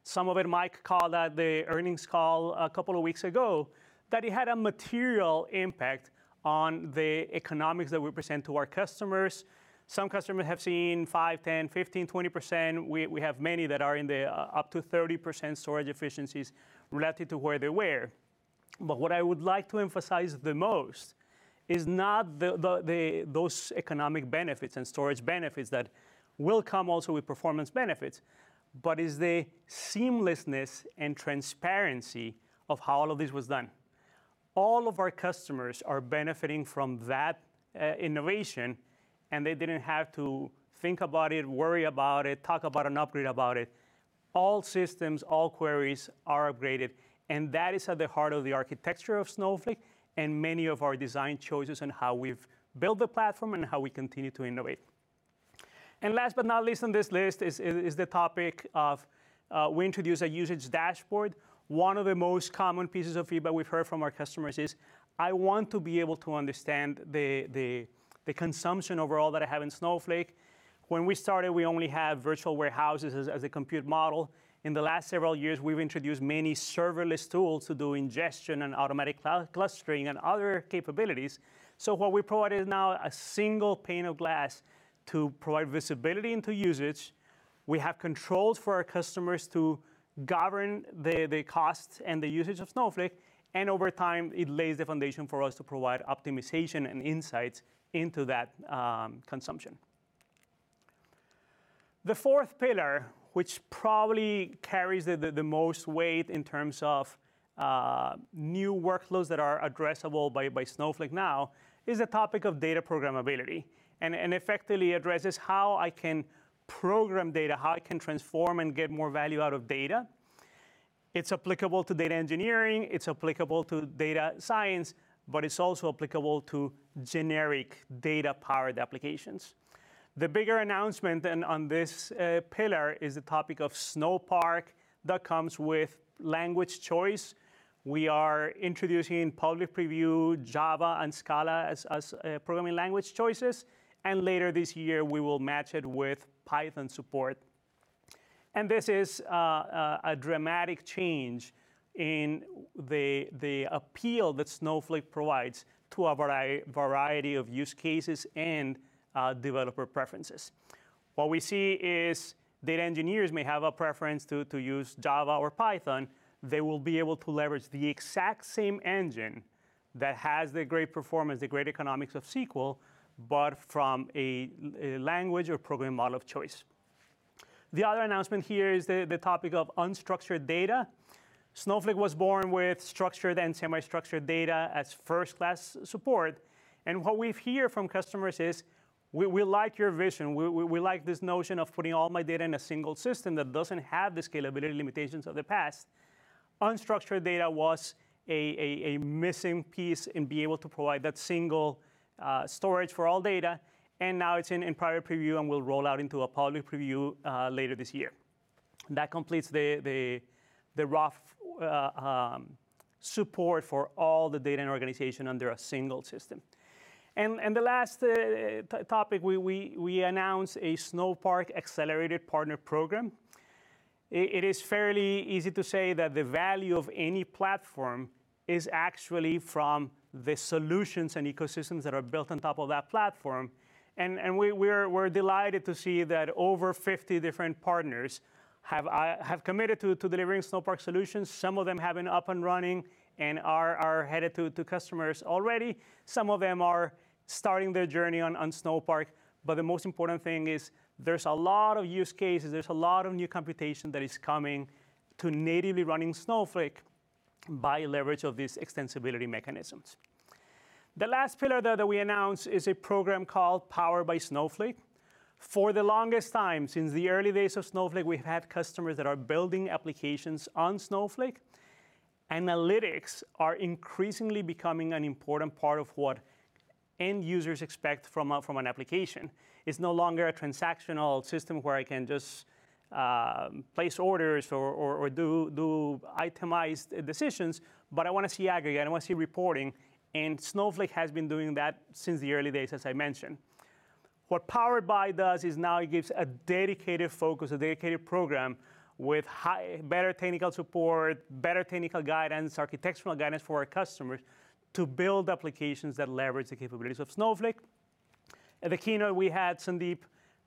Some of you might recall that the earnings call a couple of weeks ago, that it had a material impact on the economics that we present to our customers. Some customers have seen 5%, 10%, 15%, 20%. We have many that are in the up to 30% storage efficiencies relative to where they were. What I would like to emphasize the most is not those economic benefits and storage benefits that will come also with performance benefits, but is the seamlessness and transparency of how all of this was done. All of our customers are benefiting from that innovation, and they didn't have to think about it, worry about it, talk about it, or not read about it. All systems, all queries are upgraded, and that is at the heart of the architecture of Snowflake and many of our design choices and how we've built the platform and how we continue to innovate. Last but not least on this list is the topic of we introduced a usage dashboard. One of the most common pieces of feedback we've heard from our customers is, "I want to be able to understand the consumption overall that I have in Snowflake." When we started, we only had virtual warehouses as a compute model. In the last several years, we've introduced many serverless tools to do ingestion and automatic clustering and other capabilities. What we provided now a single pane of glass to provide visibility into usage. We have controls for our customers to govern the costs and the usage of Snowflake. Over time, it lays the foundation for us to provide optimization and insights into that consumption. The fourth pillar, which probably carries the most weight in terms of new workloads that are addressable by Snowflake now, is the topic of data programmability. Effectively addresses how I can program data, how I can transform and get more value out of data. It's applicable to data engineering, it's applicable to data science. It's also applicable to generic data-powered applications. The bigger announcement on this pillar is the topic of Snowpark that comes with language choice. We are introducing in public preview Java and Scala as programming language choices. Later this year we will match it with Python support. This is a dramatic change in the appeal that Snowflake provides to a variety of use cases and developer preferences. What we see is data engineers may have a preference to use Java or Python. They will be able to leverage the exact same engine that has the great performance, the great economics of SQL, but from a language or programming model of choice. The other announcement here is the topic of unstructured data. Snowflake was born with structured and semi-structured data as first-class support, and what we hear from customers is, "We like your vision. We like this notion of putting all my data in a single system that doesn't have the scalability limitations of the past. Unstructured data was a missing piece in being able to provide that single storage for all data, and now it's in private preview and will roll out into a public preview later this year. That completes the rough support for all the data in an organization under a single system. The last topic, we announced a Snowpark Accelerated partner program. It is fairly easy to say that the value of any platform is actually from the solutions and ecosystems that are built on top of that platform. We're delighted to see that over 50 different partners have committed to delivering Snowpark solutions. Some of them have it up and running and are headed to customers already. Some of them are starting their journey on Snowpark. The most important thing is there's a lot of use cases, there's a lot of new computation that is coming to natively running Snowflake by leverage of these extensibility mechanisms. The last pillar that we announced is a program called Powered by Snowflake. For the longest time, since the early days of Snowflake, we've had customers that are building applications on Snowflake. Analytics are increasingly becoming an important part of what end users expect from an application. It's no longer a transactional system where I can just place orders or do itemized decisions, but I want to see aggregate, I want to see reporting, and Snowflake has been doing that since the early days, as I mentioned. What Powered by does is now it gives a dedicated focus, a dedicated program with better technical support, better technical guidance, architectural guidance for our customers to build applications that leverage the capabilities of Snowflake. At the keynote, we had Sandeep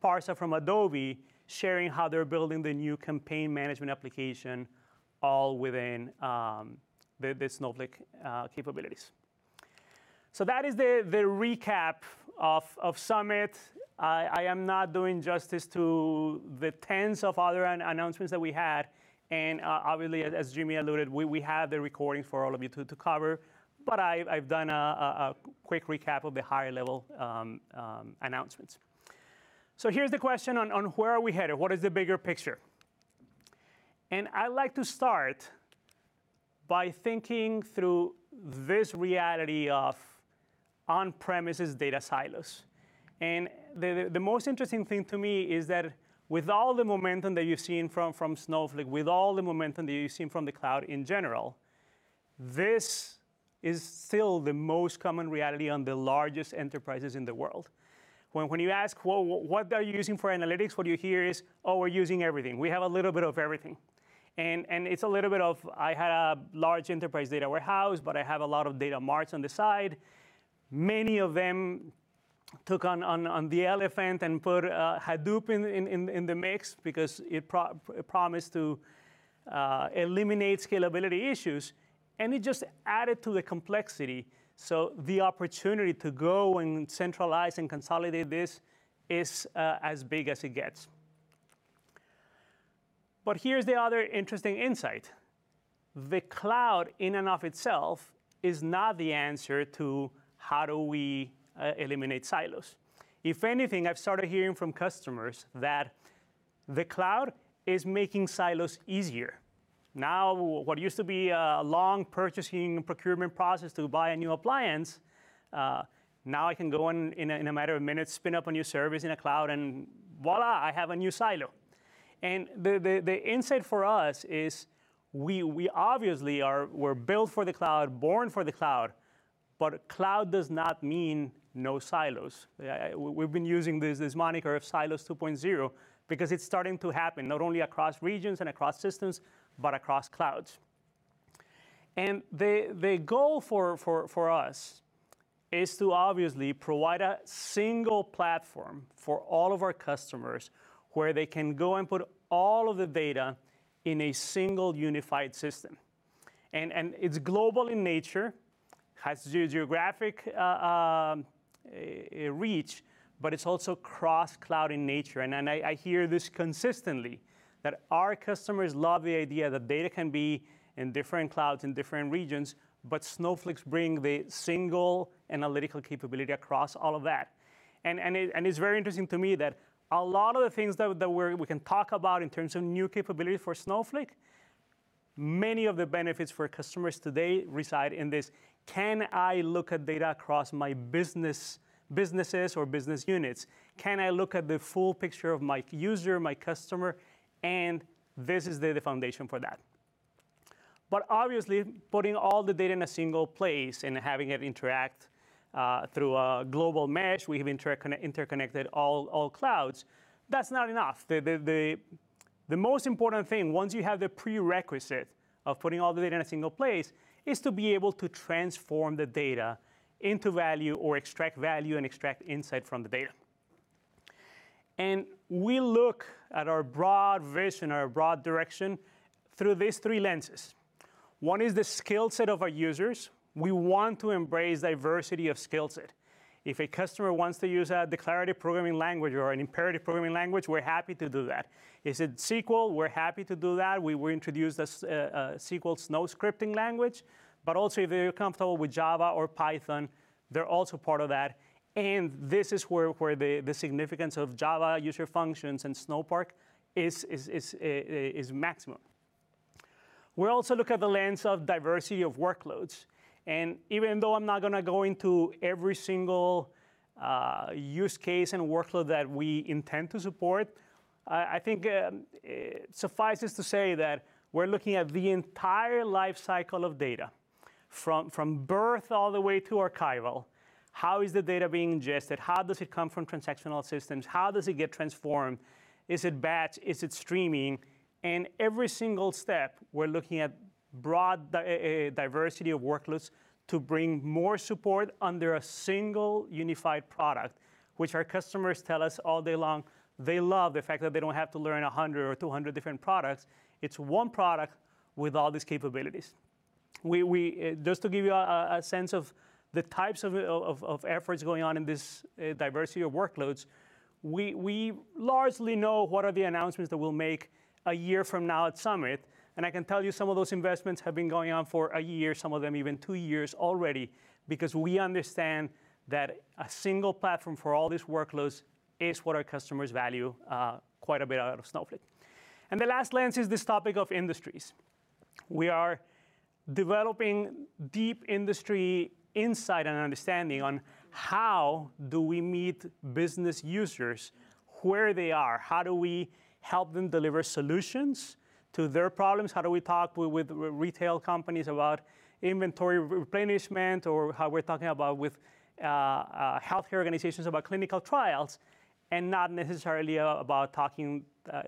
Pandya from Adobe sharing how they're building the new campaign management application all within the Snowflake capabilities. That is the recap of Summit. I am not doing justice to the tens of other announcements that we had. Obviously, as Jimmy alluded, we have the recording for all of you to cover, I've done a quick recap of the high-level announcements. Here's the question on where are we headed? What is the bigger picture? I'd like to start by thinking through this reality of on-premises data silos. The most interesting thing to me is that with all the momentum that you're seeing from Snowflake, with all the momentum that you're seeing from the cloud in general, this is still the most common reality on the largest enterprises in the world. When you ask, "Well, what are you using for analytics?" What you hear is, "Oh, we're using everything. We have a little bit of everything." It's a little bit of, I have large enterprise data warehouse, but I have a lot of data marts on the side. Many of them took on the elephant and put Hadoop in the mix because it promised to eliminate scalability issues, and it just added to the complexity. The opportunity to go and centralize and consolidate this is as big as it gets. Here's the other interesting insight. The cloud in and of itself is not the answer to how do we eliminate silos. If anything, I've started hearing from customers that the cloud is making silos easier. What used to be a long purchasing procurement process to buy a new appliance, now I can go in a matter of minutes, spin up a new service in a cloud, and voila, I have a new silo. The insight for us is we obviously are built for the cloud, born for the cloud, but cloud does not mean no silos. We've been using this moniker of silos 2.0 because it's starting to happen, not only across regions and across systems, but across clouds. The goal for us is to obviously provide a single platform for all of our customers where they can go and put all of the data in a single unified system. It's global in nature, has geographic reach, but it's also cross-cloud in nature. I hear this consistently, that our customers love the idea that data can be in different clouds in different regions, but Snowflake's bringing the single analytical capability across all of that. It's very interesting to me that a lot of the things that we can talk about in terms of new capability for Snowflake, many of the benefits for customers today reside in this, "Can I look at data across my businesses or business units? Can I look at the full picture of my user, my customer?" This is the foundation for that. Obviously, putting all the data in a single place and having it interact through a global mesh, we have interconnected all clouds. That's not enough. The most important thing, once you have the prerequisite of putting all the data in a single place, is to be able to transform the data into value or extract value and extract insight from the data. We look at our broad vision, our broad direction through these three lenses. One is the skill set of our users. We want to embrace diversity of skill set. If a customer wants to use a declarative programming language or an imperative programming language, we're happy to do that. If it's SQL, we're happy to do that. We introduced a SQL Snowflake Scripting language. Also, if they are comfortable with Java or Python, they're also part of that, and this is where the significance of Java user functions in Snowpark is maximum. We also look at the lens of diversity of workloads. Even though I'm not going to go into every single use case and workload that we intend to support, I think suffice it to say that we're looking at the entire life cycle of data, from birth all the way to archival. How is the data being ingested? How does it come from transactional systems? How does it get transformed? Is it batch? Is it streaming? In every single step, we're looking at broad diversity of workloads to bring more support under a single unified product, which our customers tell us all day long, they love the fact that they don't have to learn 100 or 200 different products. It's one product with all these capabilities. Just to give you a sense of the types of efforts going on in this diversity of workloads, we largely know what are the announcements that we'll make a year from now at Summit, I can tell you some of those investments have been going on for a year, some of them even two years already, because we understand that a single platform for all these workloads is what our customers value quite a bit out of Snowflake. The last lens is this topic of industries. We are developing deep industry insight and understanding on how do we meet business users where they are. How do we help them deliver solutions to their problems? How do we talk with retail companies about inventory replenishment or how we're talking about with healthcare organizations about clinical trials, not necessarily about talking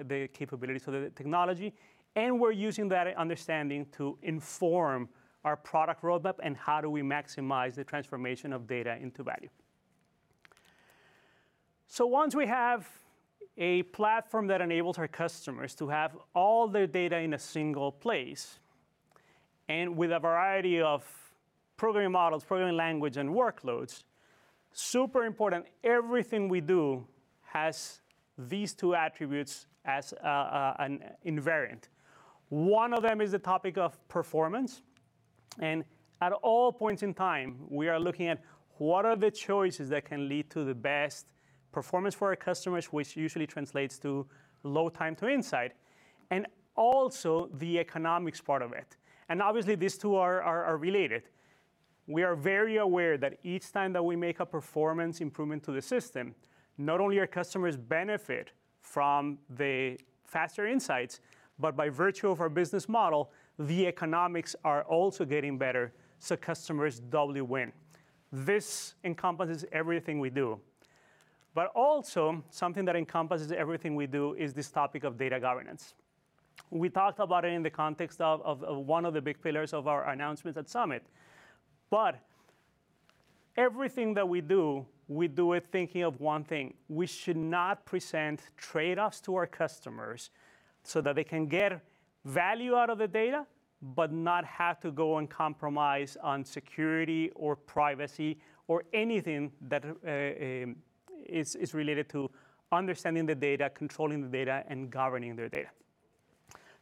the capabilities of the technology. We're using that understanding to inform our product roadmap and how do we maximize the transformation of data into value. Once we have a platform that enables our customers to have all their data in a single place, with a variety of programming models, programming language, and workloads, super important, everything we do has these two attributes as an invariant. One of them is the topic of performance, and at all points in time, we are looking at what are the choices that can lead to the best performance for our customers, which usually translates to low time to insight, and also the economics part of it. Obviously, these two are related. We are very aware that each time that we make a performance improvement to the system, not only our customers benefit from the faster insights, but by virtue of our business model, the economics are also getting better, so customers doubly win. This encompasses everything we do. Also, something that encompasses everything we do is this topic of data governance. We talked about it in the context of one of the big pillars of our announcement at Summit. Everything that we do, we do it thinking of one thing. We should not present trade-offs to our customers so that they can get value out of the data, but not have to go and compromise on security or privacy or anything that is related to understanding the data, controlling the data, and governing their data.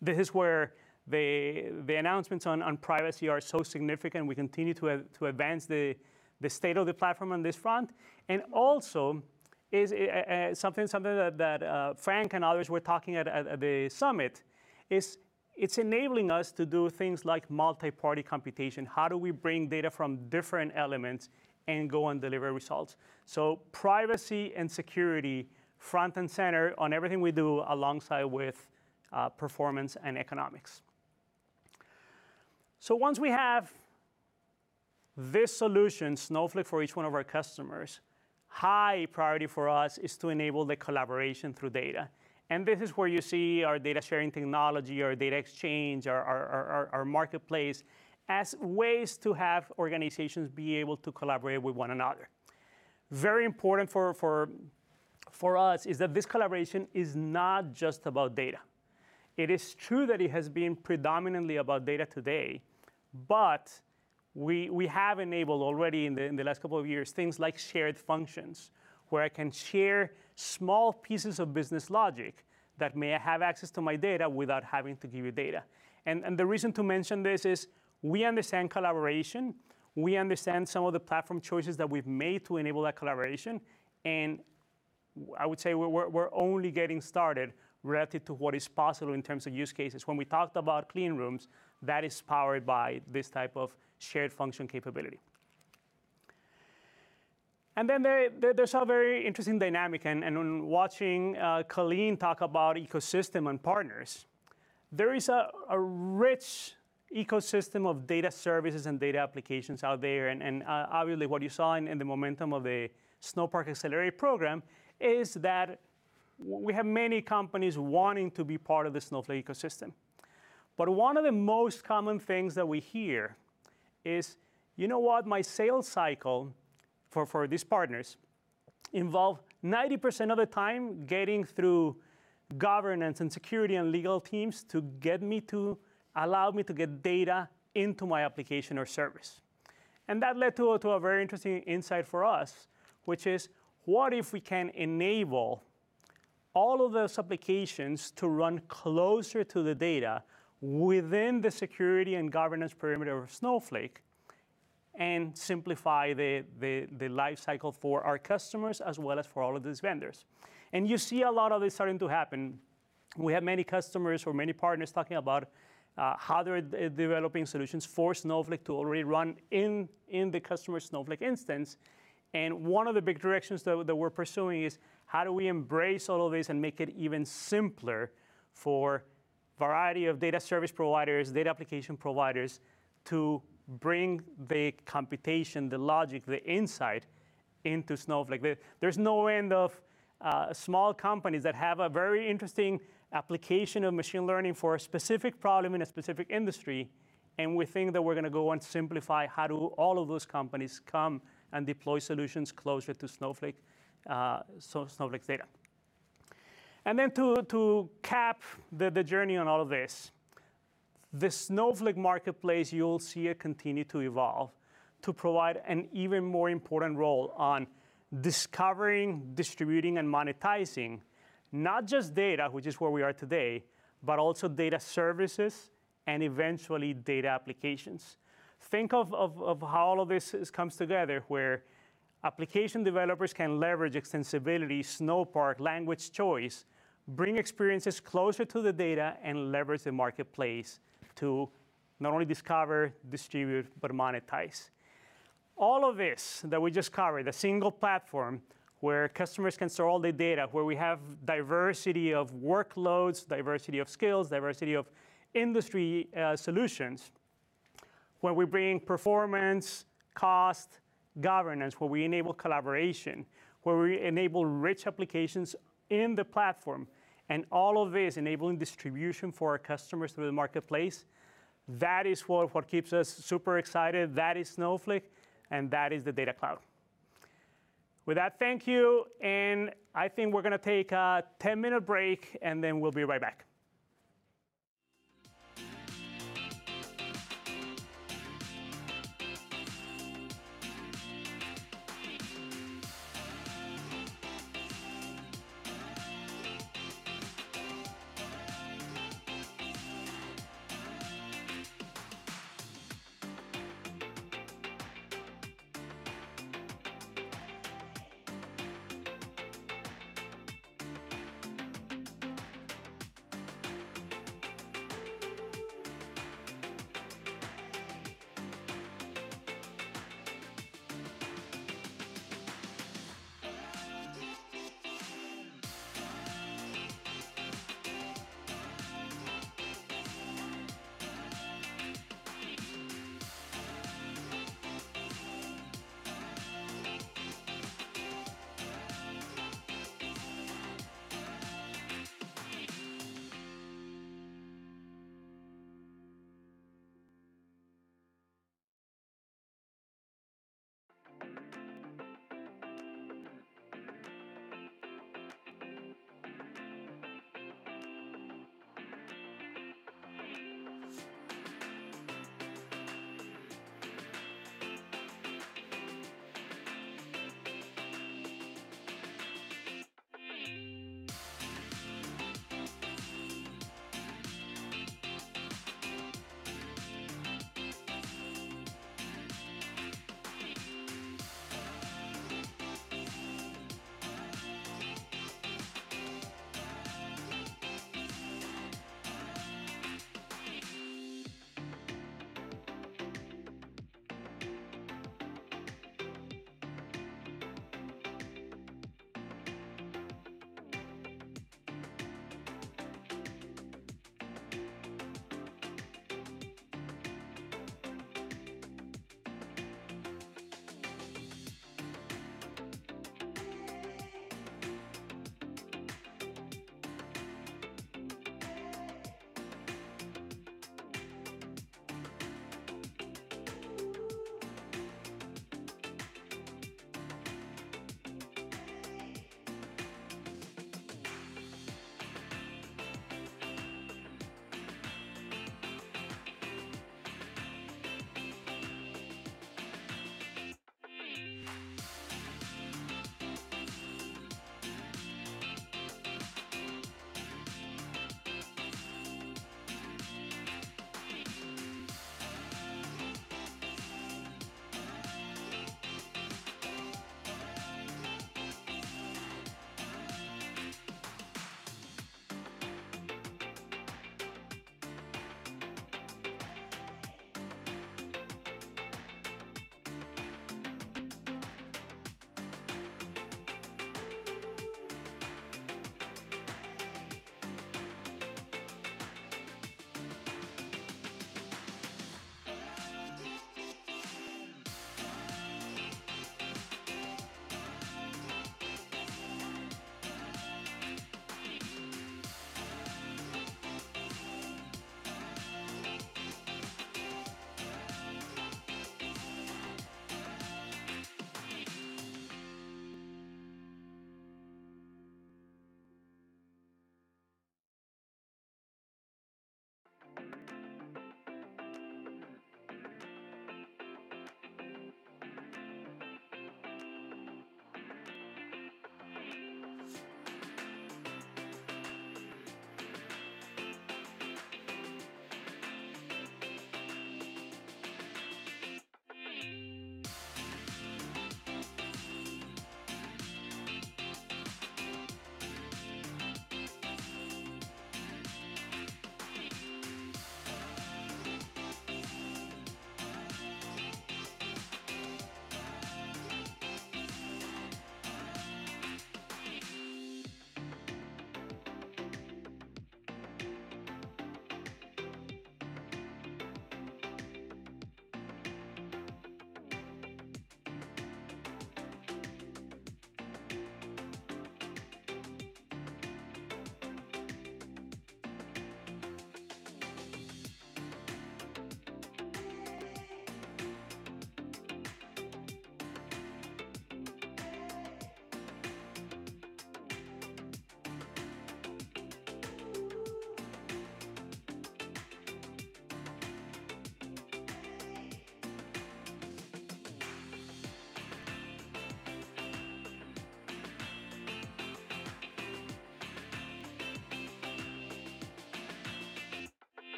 This is where the announcements on privacy are so significant. We continue to advance the state of the platform on this front. Also, something that Frank and others were talking at the Snowflake Summit is it's enabling us to do things like multi-party computation. How do we bring data from different elements and go and deliver results? Privacy and security front and center on everything we do, alongside with performance and economics. Once we have this solution, Snowflake, for each one of our customers, high priority for us is to enable the collaboration through data. This is where you see our data sharing technology, our data exchange, our marketplace as ways to have organizations be able to collaborate with one another. Very important for us is that this collaboration is not just about data. It is true that it has been predominantly about data today, but we have enabled already in the last couple of years things like shared functions, where I can share small pieces of business logic that may have access to my data without having to give you data. The reason to mention this is we understand collaboration. We understand some of the platform choices that we've made to enable that collaboration, and I would say we're only getting started relative to what is possible in terms of use cases. When we talked about clean rooms, that is powered by this type of shared function capability. Then there's a very interesting dynamic, and watching Colleen talk about ecosystem and partners. There is a rich ecosystem of data services and data applications out there. Obviously what you saw in the momentum of the Snowpark Accelerated program is that we have many companies wanting to be part of the Snowflake ecosystem. One of the most common things that we hear is, "You know what? My sales cycle," for these partners, "involved 90% of the time getting through governance and security and legal teams to allow me to get data into my application or service." That led to a very interesting insight for us, which is, what if we can enable all of those applications to run closer to the data within the security and governance perimeter of Snowflake and simplify the life cycle for our customers as well as for all of these vendors? You see a lot of this starting to happen. We have many customers or many partners talking about how they're developing solutions for Snowflake to already run in the customer Snowflake instance. One of the big directions, though, that we're pursuing is how do we embrace all of this and make it even simpler for a variety of data service providers, data application providers, to bring the computation, the logic, the insight into Snowflake? There's no end of small companies that have a very interesting application of machine learning for a specific problem in a specific industry, and we think that we're going to go and simplify how do all of those companies come and deploy solutions closer to Snowflake data. Then to cap the journey on all this, the Snowflake Marketplace, you will see it continue to evolve to provide an even more important role on discovering, distributing, and monetizing not just data, which is where we are today, but also data services and eventually data applications. Think of how all of this comes together, where application developers can leverage extensibility, Snowpark, language choice, bring experiences closer to the data, and leverage the Marketplace to not only discover, distribute, but monetize. All of this that we just covered, a single platform where customers can store all their data, where we have diversity of workloads, diversity of skills, diversity of industry solutions, where we bring performance, cost, governance, where we enable collaboration, where we enable rich applications in the platform, and all of this enabling distribution for our customers through the Marketplace. That is what keeps us super excited. That is Snowflake, and that is the Data Cloud. With that, thank you, and I think we're going to take a 10-minute break, and then we'll be right back.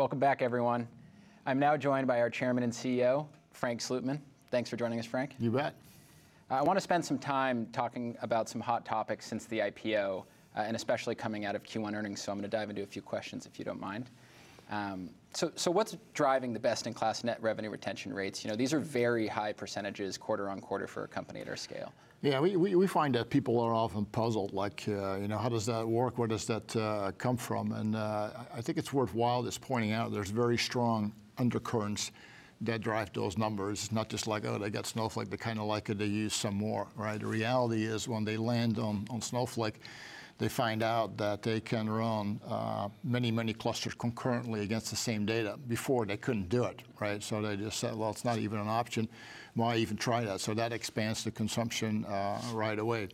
Welcome back, everyone. I'm now joined by our Chairman and CEO, Frank Slootman. Thanks for joining us, Frank. You bet. I want to spend some time talking about some hot topics since the IPO, and especially coming out of Q1 earnings, so I'm going to dive into a few questions, if you don't mind. What's driving the best-in-class net revenue retention rates? These are very high percentages quarter-on-quarter for a company of our scale. Yeah. We find that people are often puzzled, like, "How does that work? Where does that come from?" I think it's worthwhile just pointing out there's very strong undercurrents that drive those numbers. It's not just like, "Oh, they got Snowflake. They're kind of likely to use some more." The reality is when they land on Snowflake, they find out that they can run many clusters concurrently against the same data. Before, they couldn't do it, so they just said, "Well, it's not even an option. Why even try that?" That expands the consumption right away.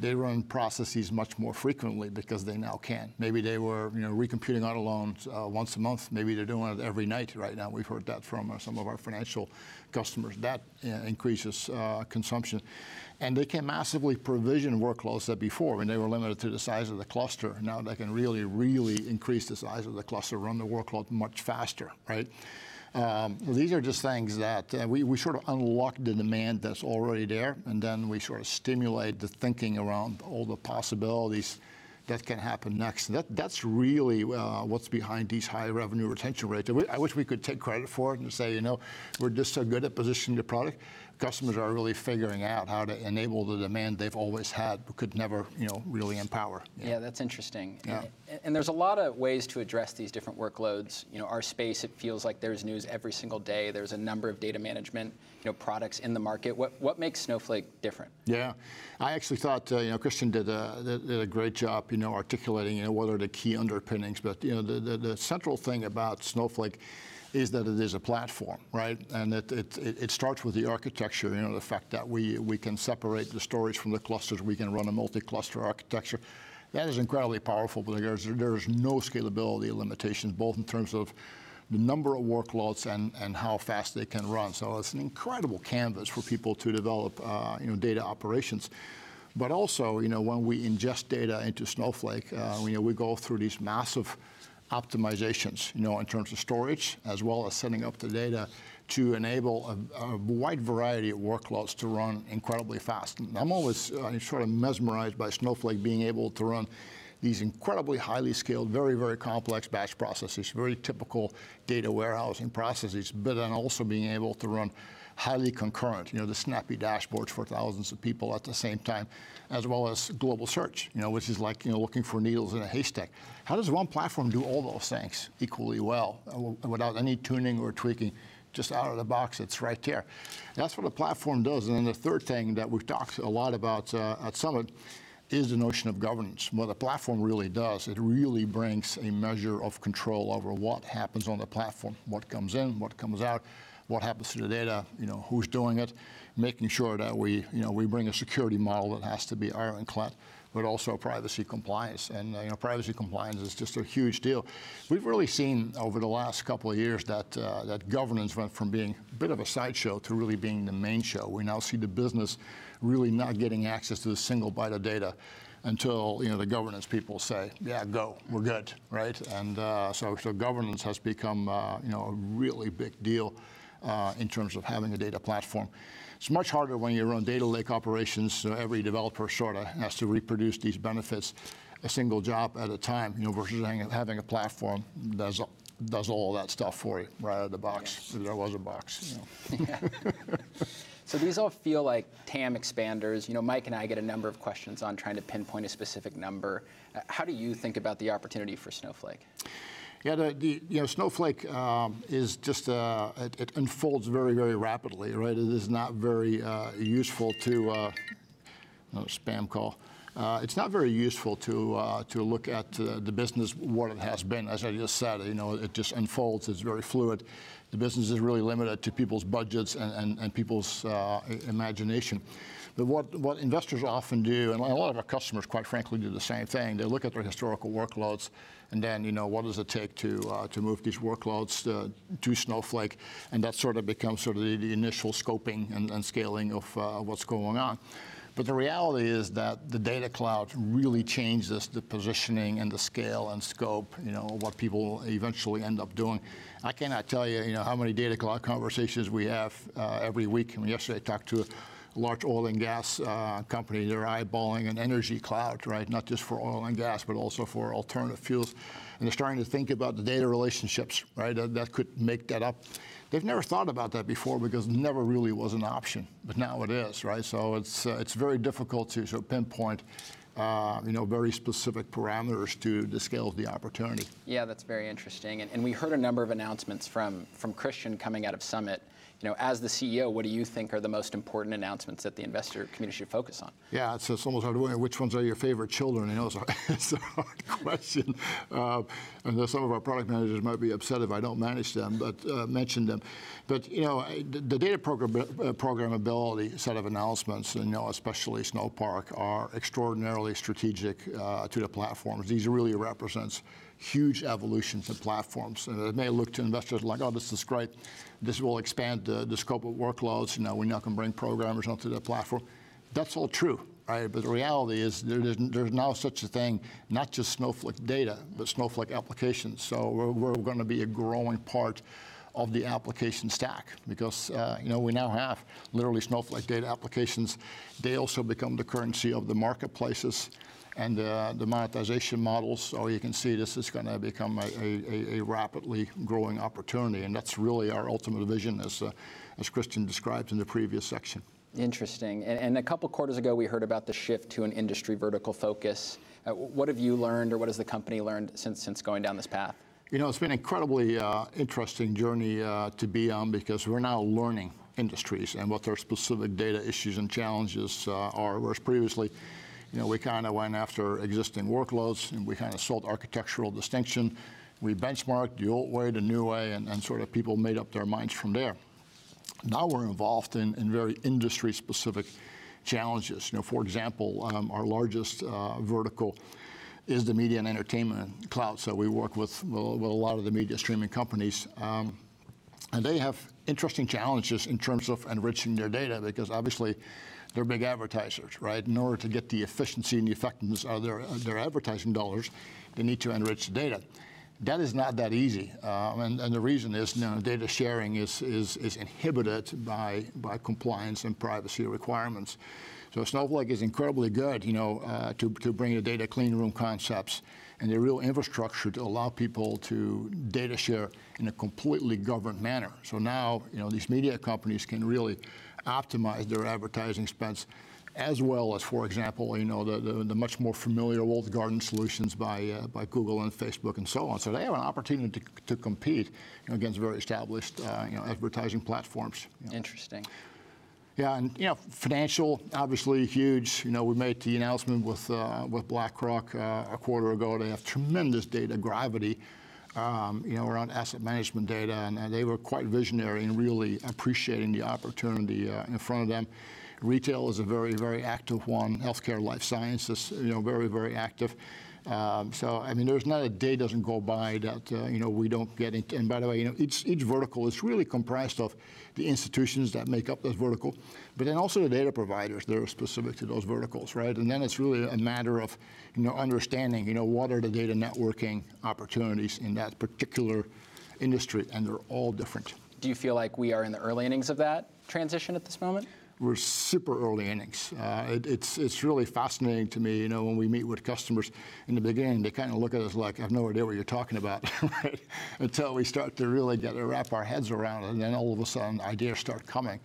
They run processes much more frequently because they now can. Maybe they were recomputing out loans once a month. Maybe they're doing it every night right now. We've heard that from some of our financial customers. That increases consumption. They can massively provision workloads than before, when they were limited to the size of the cluster. Now they can really increase the size of the cluster, run the workload much faster. These are just things that we sort of unlocked the demand that's already there, and then we sort of stimulate the thinking around all the possibilities that can happen next. That's really what's behind these high net revenue retention rates. I wish we could take credit for it and say, "We're just so good at positioning the product." Customers are really figuring out how to enable the demand they've always had, but could never really empower. Yeah. That's interesting. Yeah. There's a lot of ways to address these different workloads. Our space, it feels like there's news every single day. There's a number of data management products in the market. What makes Snowflake different? Yeah. I actually thought Christian did a great job articulating what are the key underpinnings. The central thing about Snowflake is that it is a platform. It starts with the architecture, the fact that we can separate the storage from the clusters, we can run a multi-cluster architecture. That is incredibly powerful. There is no scalability limitations, both in terms of the number of workloads and how fast they can run. It's an incredible canvas for people to develop data operations. Also, when we ingest data into Snowflake. We go through these massive optimizations in terms of storage, as well as setting up the data to enable a wide variety of workloads to run incredibly fast. I'm always sort of mesmerized by Snowflake being able to run these incredibly highly scaled, very complex batch processes, very typical data warehousing processes, but then also being able to run highly concurrent, the snappy dashboards for thousands of people at the same time, as well as global search, which is like looking for needles in a haystack. How does one platform do all those things equally well without any tuning or tweaking? Just out of the box, it's right there. That's what a platform does. The third thing that we've talked a lot about at Summit is the notion of governance. What the platform really does, it really brings a measure of control over what happens on the platform, what comes in, what comes out, what happens to your data, who's doing it, making sure that we bring a security model that has to be ironclad, but also privacy compliance. Privacy compliance is just a huge deal. We've really seen over the last couple of years that governance went from being a bit of a sideshow to really being the main show. We now see the business really not getting access to a single byte of data until the governance people say, "Yeah, go. We're good." Governance has become a really big deal in terms of having a data platform. It's much harder when you run data lake operations. Every developer sort of has to reproduce these benefits a single job at a time, versus having a platform that does all that stuff for you right out of the box. There was a box. These all feel like TAM expanders. Mike and I get a number of questions on trying to pinpoint a specific number. How do you think about the opportunity for Snowflake? Yeah. Snowflake, it unfolds very rapidly. It's not very useful to look at the business, what it has been. As I just said, it just unfolds. It's very fluid. The business is really limited to people's budgets and people's imagination. What investors often do, and a lot of our customers, quite frankly, do the same thing, they look at their historical workloads, and then what does it take to move these workloads to Snowflake? That becomes the initial scoping and scaling of what's going on. The reality is that the Data Cloud really changes the positioning and the scale and scope, what people eventually end up doing. I cannot tell you how many Data Cloud conversations we have every week. I mean yesterday I talked to a large oil and gas company. They're eyeballing an energy cloud, not just for oil and gas, but also for alternative fuels, and they're starting to think about the data relationships that could make that up. They've never thought about that before because it never really was an option, but now it is. It's very difficult to pinpoint very specific parameters to the scale of the opportunity. Yeah, that's very interesting. We heard a number of announcements from Christian coming out of Snowflake Summit. As the CEO, what do you think are the most important announcements that the investor community should focus on? Yeah. It's almost like, which ones are your favorite children? Those are hard questions. Some of our product managers might be upset if I don't mention them. The data programmability set of announcements, especially Snowpark, are extraordinarily strategic to the platforms. These really represent huge evolutions in platforms. It may look to investors like, "Oh, this is great. This will expand the scope of workloads. We now can bring programmers onto the platform." That's all true. The reality is, there's now such a thing, not just Snowflake data, but Snowflake applications. We're going to be a growing part of the application stack because we now have literally Snowflake data applications. They also become the currency of the marketplaces and the monetization models. You can see this is going to become a rapidly growing opportunity, and that's really our ultimate vision, as Christian described in the previous section. Interesting. A couple of quarters ago, we heard about the shift to an industry vertical focus. What have you learned, or what has the company learned since going down this path? It's been incredibly interesting journey to be on because we're now learning industries and what their specific data issues and challenges are. Whereas previously, we went after existing workloads, and we sold architectural distinction. We benchmarked the old way, the new way, and people made up their minds from there. Now we're involved in very industry-specific challenges. For example, our largest vertical is the media and entertainment cloud, so we work with a lot of the media streaming companies. They have interesting challenges in terms of enriching their data, because obviously they're big advertisers. In order to get the efficiency and effectiveness of their advertising dollars, they need to enrich the data. That is not that easy, and the reason is data sharing is inhibited by compliance and privacy requirements. Snowflake is incredibly good to bring the data clean room concepts and the real infrastructure to allow people to data share in a completely governed manner. Now, these media companies can really optimize their advertising spends, as well as, for example, the much more familiar walled garden solutions by Google and Facebook and so on. They have an opportunity to compete against very established advertising platforms. Interesting. Yeah. Financial, obviously huge. We made the announcement with BlackRock a quarter ago. They have tremendous data gravity around asset management data, and they were quite visionary in really appreciating the opportunity in front of them. Retail is a very, very active one. Healthcare, life sciences, very, very active. I mean, there's not a day doesn't go by that we don't get. By the way, each vertical is really comprised of the institutions that make up those verticals, but then also the data providers that are specific to those verticals. It's really a matter of understanding what are the data networking opportunities in that particular industry, and they're all different. Do you feel like we are in the early innings of that transition at this moment? We're super early innings. It's really fascinating to me when we meet with customers. In the beginning, they look at us like, "I have no idea what you're talking about." Until we start to really wrap our heads around it, and then all of a sudden, ideas start coming.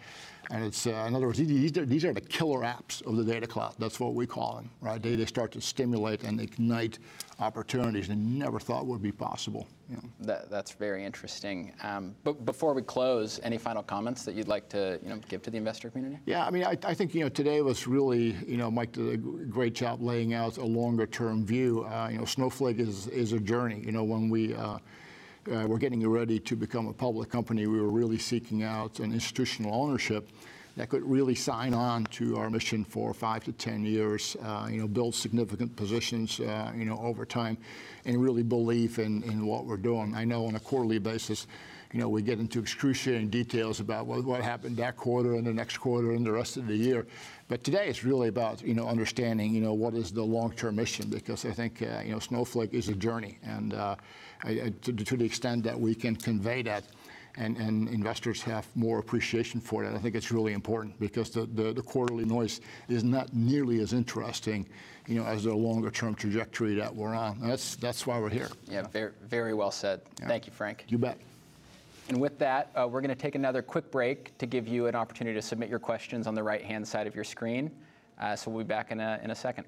It's, in other words, these are the killer apps of the Data Cloud. That's what we call them. They just start to stimulate and ignite opportunities we never thought would be possible. That's very interesting. Before we close, any final comments that you'd like to give to the investor community? Yeah. I think today was really, Mike did a great job laying out a longer-term view. Snowflake is a journey. When we were getting ready to become a public company, we were really seeking out an institutional ownership that could really sign on to our mission for five to 10 years, build significant positions over time, and really believe in what we're doing. I know on a quarterly basis, we get into excruciating details about what happened that quarter and the next quarter and the rest of the year. Today it's really about understanding what is the long-term mission, because I think Snowflake is a journey. To the extent that we can convey that, and investors have more appreciation for that, I think it's really important, because the quarterly noise is not nearly as interesting as the longer-term trajectory that we're on. That's why we're here. Yeah. Very well said. Thank you, Frank. You bet. With that, we're going to take another quick break to give you an opportunity to submit your questions on the right-hand side of your screen. We'll be back in a second.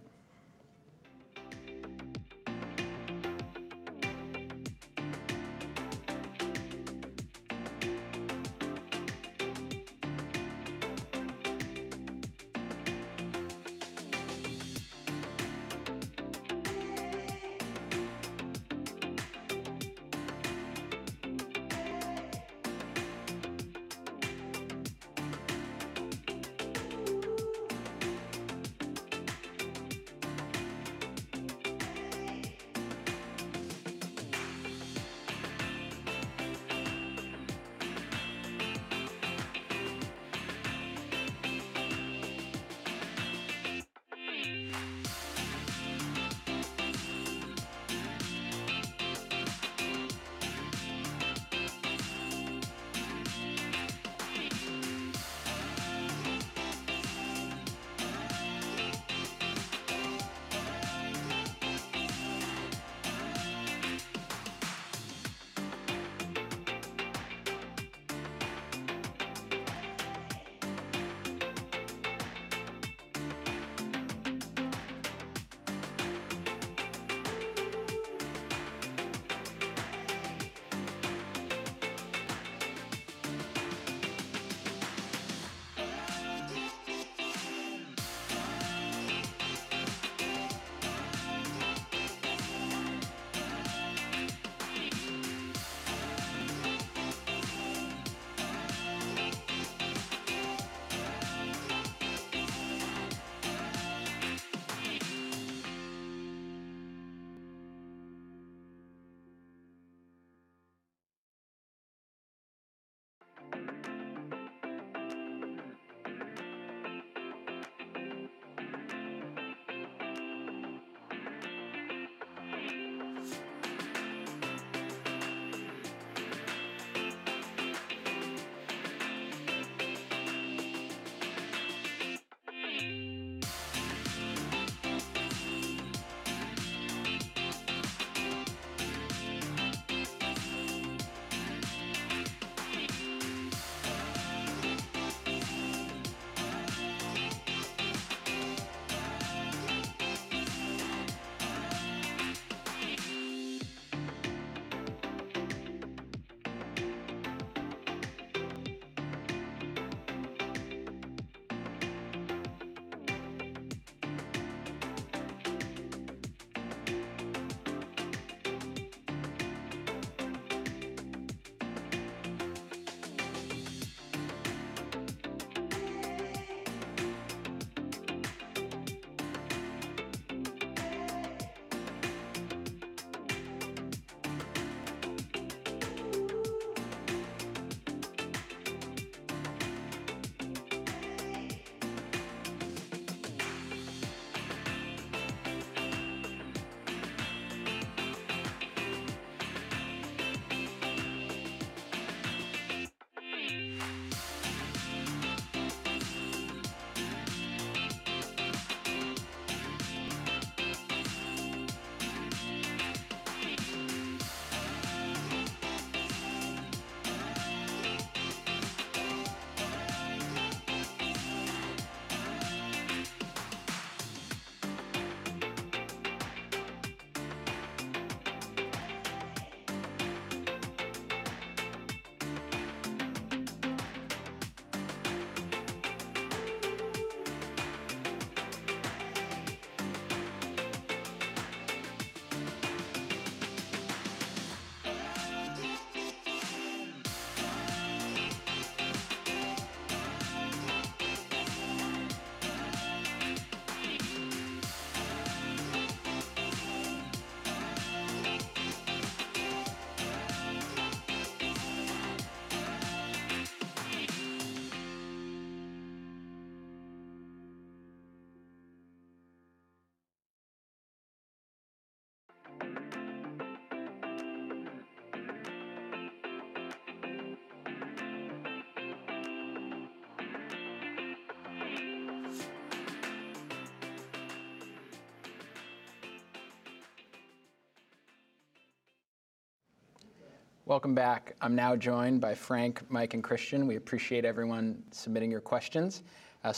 Welcome back. I'm now joined by Frank Slootman, Mike Scarpelli, and Christian Kleinerman. We appreciate everyone submitting your questions.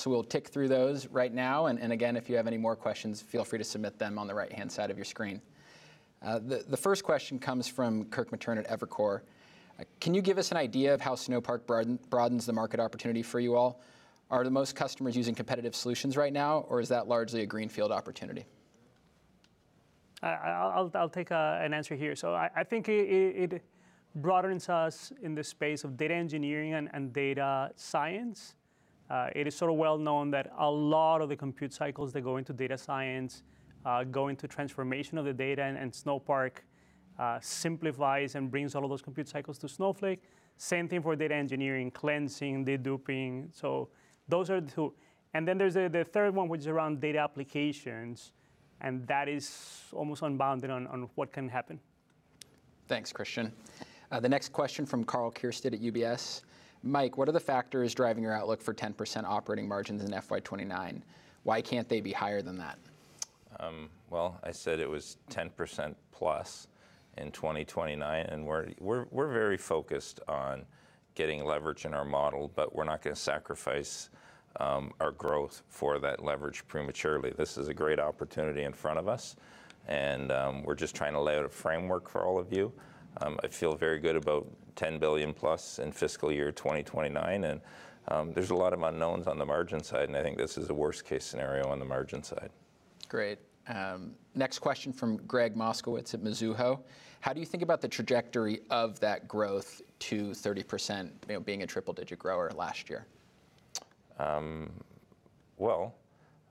We'll tick through those right now. Again, if you have any more questions, feel free to submit them on the right-hand side of your screen. The first question comes from Kirk Materne at Evercore. "Can you give us an idea of how Snowpark broadens the market opportunity for you all? Are most customers using competitive solutions right now, or is that largely a greenfield opportunity? I'll take an answer here. I think it broadens us in the space of data engineering and data science. It is well known that a lot of the compute cycles that go into data science go into transformation of the data, and Snowpark simplifies and brings all those compute cycles to Snowflake. Same thing for data engineering, cleansing, deduping. Those are the two. Then there's the third one, which is around data applications, and that is almost unbounded on what can happen. Thanks, Christian. The next question from Karl Keirstad at UBS. "Mike, what are the factors driving your outlook for 10% operating margins in FY 2029? Why can't they be higher than that? I said it was 10%+ in 2029, and we're very focused on getting leverage in our model, but we're not going to sacrifice our growth for that leverage prematurely. This is a great opportunity in front of us, and we're just trying to lay out a framework for all of you. I feel very good about $10 billion+ in fiscal year 2029, and there's a lot of unknowns on the margin side, and I think this is the worst-case scenario on the margin side. That's great. Next question from Gregg Moskowitz at Mizuho. How do you think about the trajectory of that growth to 3`0%, being a triple-digit grower last year? Well,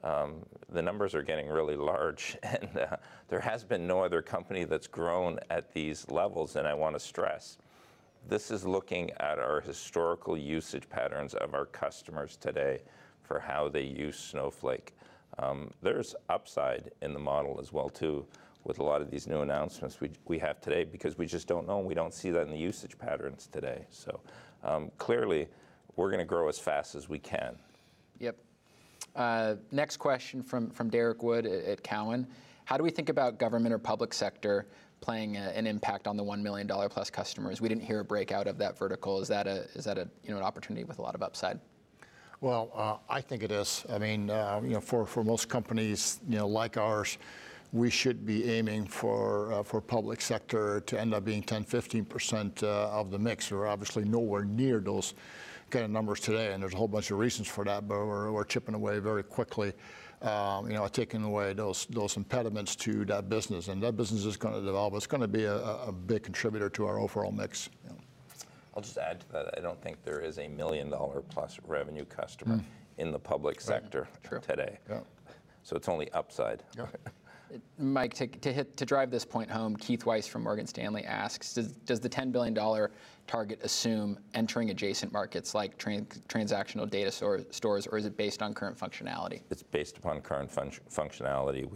the numbers are getting really large, and there has been no other company that's grown at these levels. I want to stress, this is looking at our historical usage patterns of our customers today for how they use Snowflake. There's upside in the model as well, too, with a lot of these new announcements we have today, because we just don't know. We don't see that in the usage patterns today. Clearly, we're going to grow as fast as we can. Yep. Next question from Derrick Wood at Cowen. How do we think about government or public sector playing an impact on the $1 million-plus customers? We didn't hear a breakout of that vertical. Is that an opportunity with a lot of upside? Well, I think it is. For most companies like ours, we should be aiming for public sector to end up being 10%-15% of the mix. We're obviously nowhere near those kind of numbers today, and there's a whole bunch of reasons for that, but we're chipping away very quickly, taking away those impediments to that business. That business is going to develop. It's going to be a big contributor to our overall mix. I'll just add to that. I don't think there is a million-dollar-plus revenue customer in the public sector today. Yeah. True. It's only upside. Yeah. Mike, to drive this point home, Keith Weiss from Morgan Stanley asks, does the $10 billion target assume entering adjacent markets like transactional data stores, or is it based on current functionality? It's based upon current functionality.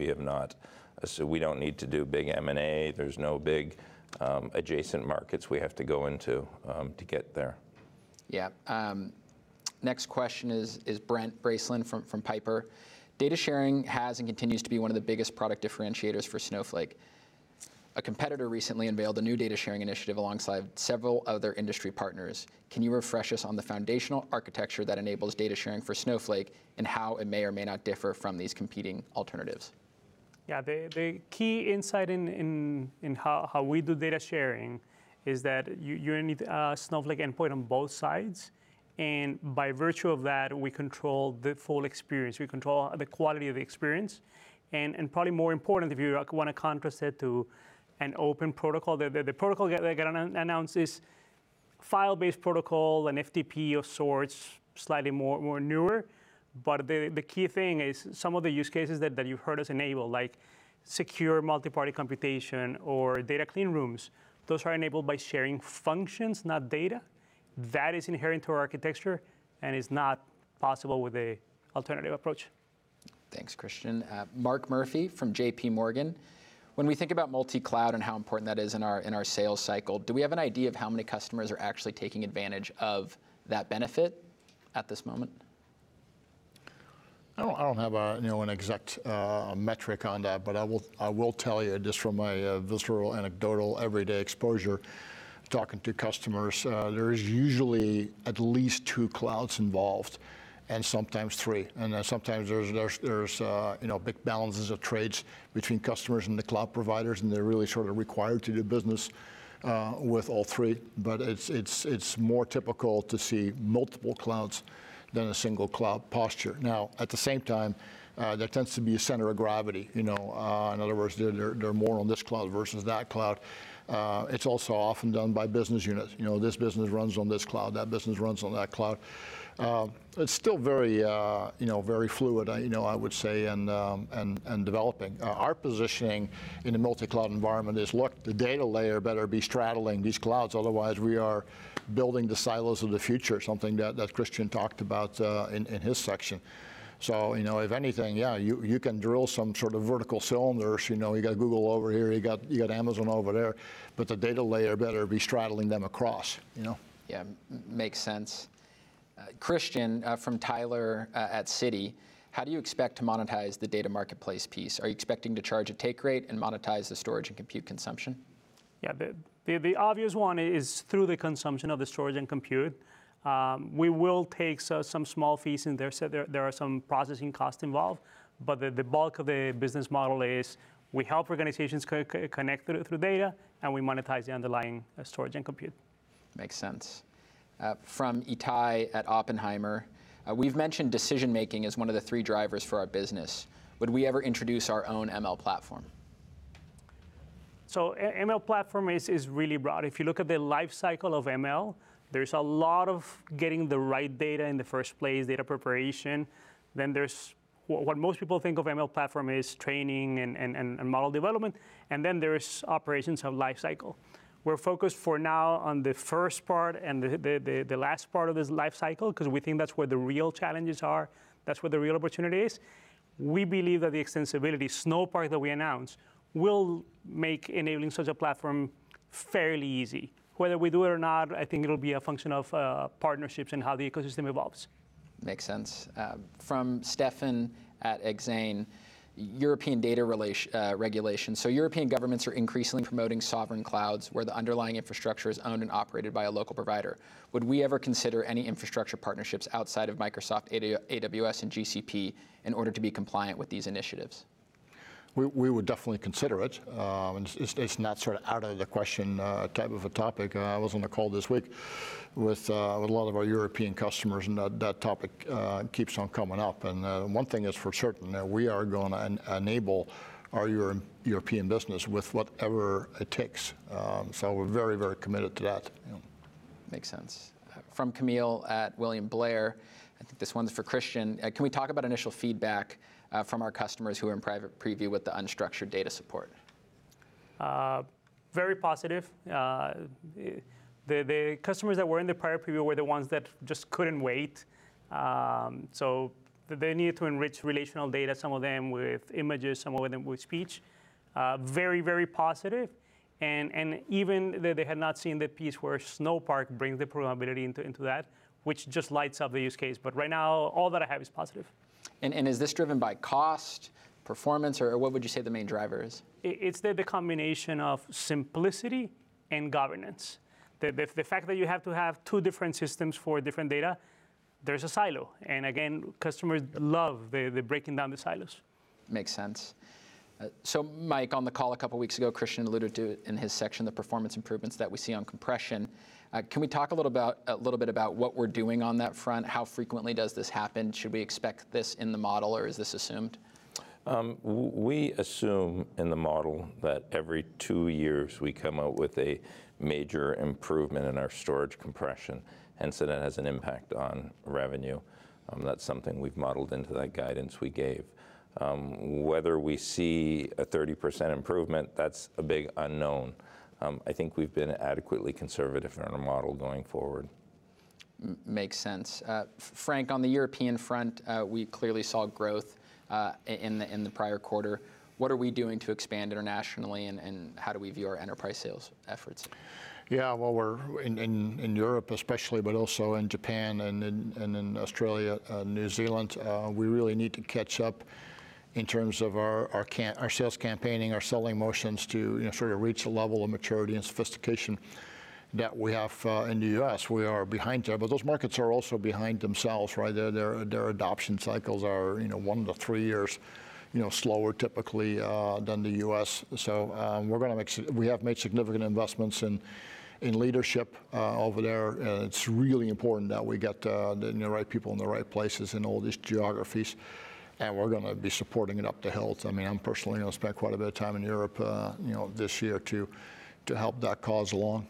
We don't need to do big M&A. There's no big adjacent markets we have to go into to get there. Yeah. Next question is Brent Bracelin from Piper. Data sharing has and continues to be one of the biggest product differentiators for Snowflake. A competitor recently unveiled a new data sharing initiative alongside several other industry partners. Can you refresh us on the foundational architecture that enables data sharing for Snowflake, and how it may or may not differ from these competing alternatives? Yeah, the key insight in how we do data sharing is that you need a Snowflake endpoint on both sides, and by virtue of that, we control the full experience. We control the quality of the experience. Probably more important, if you want to contrast it to an open protocol, the protocol they're going to announce is file-based protocol, an FTP of sorts, slightly more newer. The key thing is some of the use cases that you heard us enable, like secure multi-party computation or data clean rooms, those are enabled by sharing functions, not data. That is inherent to our architecture and is not possible with an alternative approach. Thanks, Christian. Mark Murphy from J.P. Morgan. When we think about multi-cloud and how important that is in our sales cycle, do we have an idea of how many customers are actually taking advantage of that benefit at this moment? I don't have an exact metric on that, but I will tell you, just from my visceral, anecdotal, everyday exposure talking to customers, there is usually at least two clouds involved, and sometimes three. Sometimes there's balances of trades between customers and the cloud providers, and they're really sort of required to do business with all three. It's more typical to see multiple clouds than a single cloud posture. At the same time, there tends to be a center of gravity. In other words, they're more on this cloud versus that cloud. It's also often done by business units. This business runs on this cloud, that business runs on that cloud. It's still very fluid, I would say, and developing. Our positioning in a multi-cloud environment is, look, the data layer better be straddling these clouds. Otherwise, we are building the silos of the future, something that Christian talked about in his section. If anything, yeah, you can drill some sort of vertical cylinders. You've got Google over here, you've got Amazon over there, the data layer better be straddling them across. Makes sense. Christian, from Tyler at Citi. How do you expect to monetize the Data Marketplace piece? Are you expecting to charge a take rate and monetize the storage and compute consumption? Yeah. The obvious one is through the consumption of the storage and compute. We will take some small fees, and there are some processing costs involved, but the bulk of the business model is we help organizations connect the data, and we monetize the underlying storage and compute. Makes sense. From Itay at Oppenheimer. We've mentioned decision-making as one of the three drivers for our business. Would we ever introduce our own ML platform? ML platform is really broad. If you look at the life cycle of ML, there's a lot of getting the right data in the first place, data preparation. What most people think of ML platform is training and model development, and then there's operations and life cycle. We're focused for now on the first part and the last part of this life cycle because we think that's where the real challenges are. That's where the real opportunity is. We believe that the extensibility Snowpark that we announced will make enabling such a platform fairly easy. Whether we do it or not, I think it'll be a function of partnerships and how the ecosystem evolves. Makes sense. From Stefan at Exane. European data regulations. European governments are increasingly promoting sovereign clouds where the underlying infrastructure is owned and operated by a local provider. Would we ever consider any infrastructure partnerships outside of Microsoft, AWS, and GCP in order to be compliant with these initiatives? We would definitely consider it. It's not sort of out of the question type of a topic. I was on a call this week with a lot of our European customers, and that topic keeps on coming up. One thing is for certain, we are going to enable our European business with whatever it takes. We're very, very committed to that. Yeah. Makes sense. From Camille at William Blair, I think this one's for Christian. Can we talk about initial feedback from our customers who are in private preview with the unstructured data support? Very positive. The customers that were in the private preview were the ones that just couldn't wait. They need to enrich relational data, some of them with images, some of them with speech. Very, very positive. Even though they had not seen the piece where Snowpark brings the programmability into that, which just lights up the use case, but right now all that I have is positive. Is this driven by cost, performance, or what would you say the main driver is? It's the combination of simplicity and governance. The fact that you have to have two different systems for different data, there's a silo, and again, customers love the breaking down the silos. Makes sense. Mike, on the call a couple weeks ago, Christian alluded to it in his section, the performance improvements that we see on compression. Can we talk a little bit about what we're doing on that front? How frequently does this happen? Should we expect this in the model, or is this assumed? We assume in the model that every two years we come out with a major improvement in our storage compression, and so that has an impact on revenue. That's something we've modeled into that guidance we gave. Whether we see a 30% improvement, that's a big unknown. I think we've been adequately conservative in our model going forward. Makes sense. Frank, on the European front, we clearly saw growth in the prior quarter. What are we doing to expand internationally, and how do we view our enterprise sales efforts? Yeah. Well, we're in Europe especially, but also in Japan and in Australia and New Zealand. We really need to catch up in terms of our sales campaigning, our selling motions to reach a level of maturity and sophistication that we have in the U.S. We are behind there, but those markets are also behind themselves, right? Their adoption cycles are one to three years slower typically than the U.S. We have made significant investments in leadership over there. It's really important that we get the right people in the right places in all these geographies, and we're going to be supporting it up the health. I personally will spend quite a bit of time in Europe this year to help that cause along.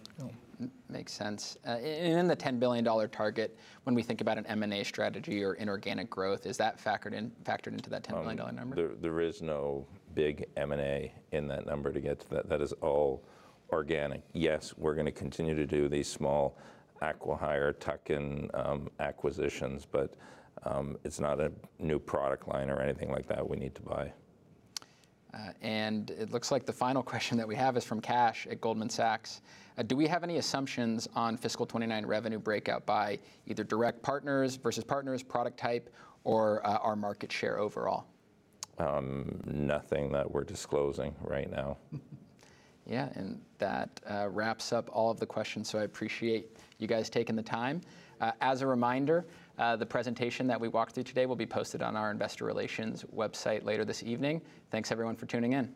In the $10 billion target, when we think about an M&A strategy or inorganic growth, is that factored into that $10 billion number? There is no big M&A in that number to get to that. That is all organic. Yes, we're going to continue to do these small acquihire tuck-in acquisitions, but it's not a new product line or anything like that we need to buy. It looks like the final question that we have is from Kash at Goldman Sachs. Do we have any assumptions on fiscal 2029 revenue breakout by either direct partners versus partners product type or our market share overall? Nothing that we're disclosing right now. Yeah, that wraps up all of the questions, so I appreciate you guys taking the time. As a reminder, the presentation that we walked through today will be posted on our investor relations website later this evening. Thanks, everyone, for tuning in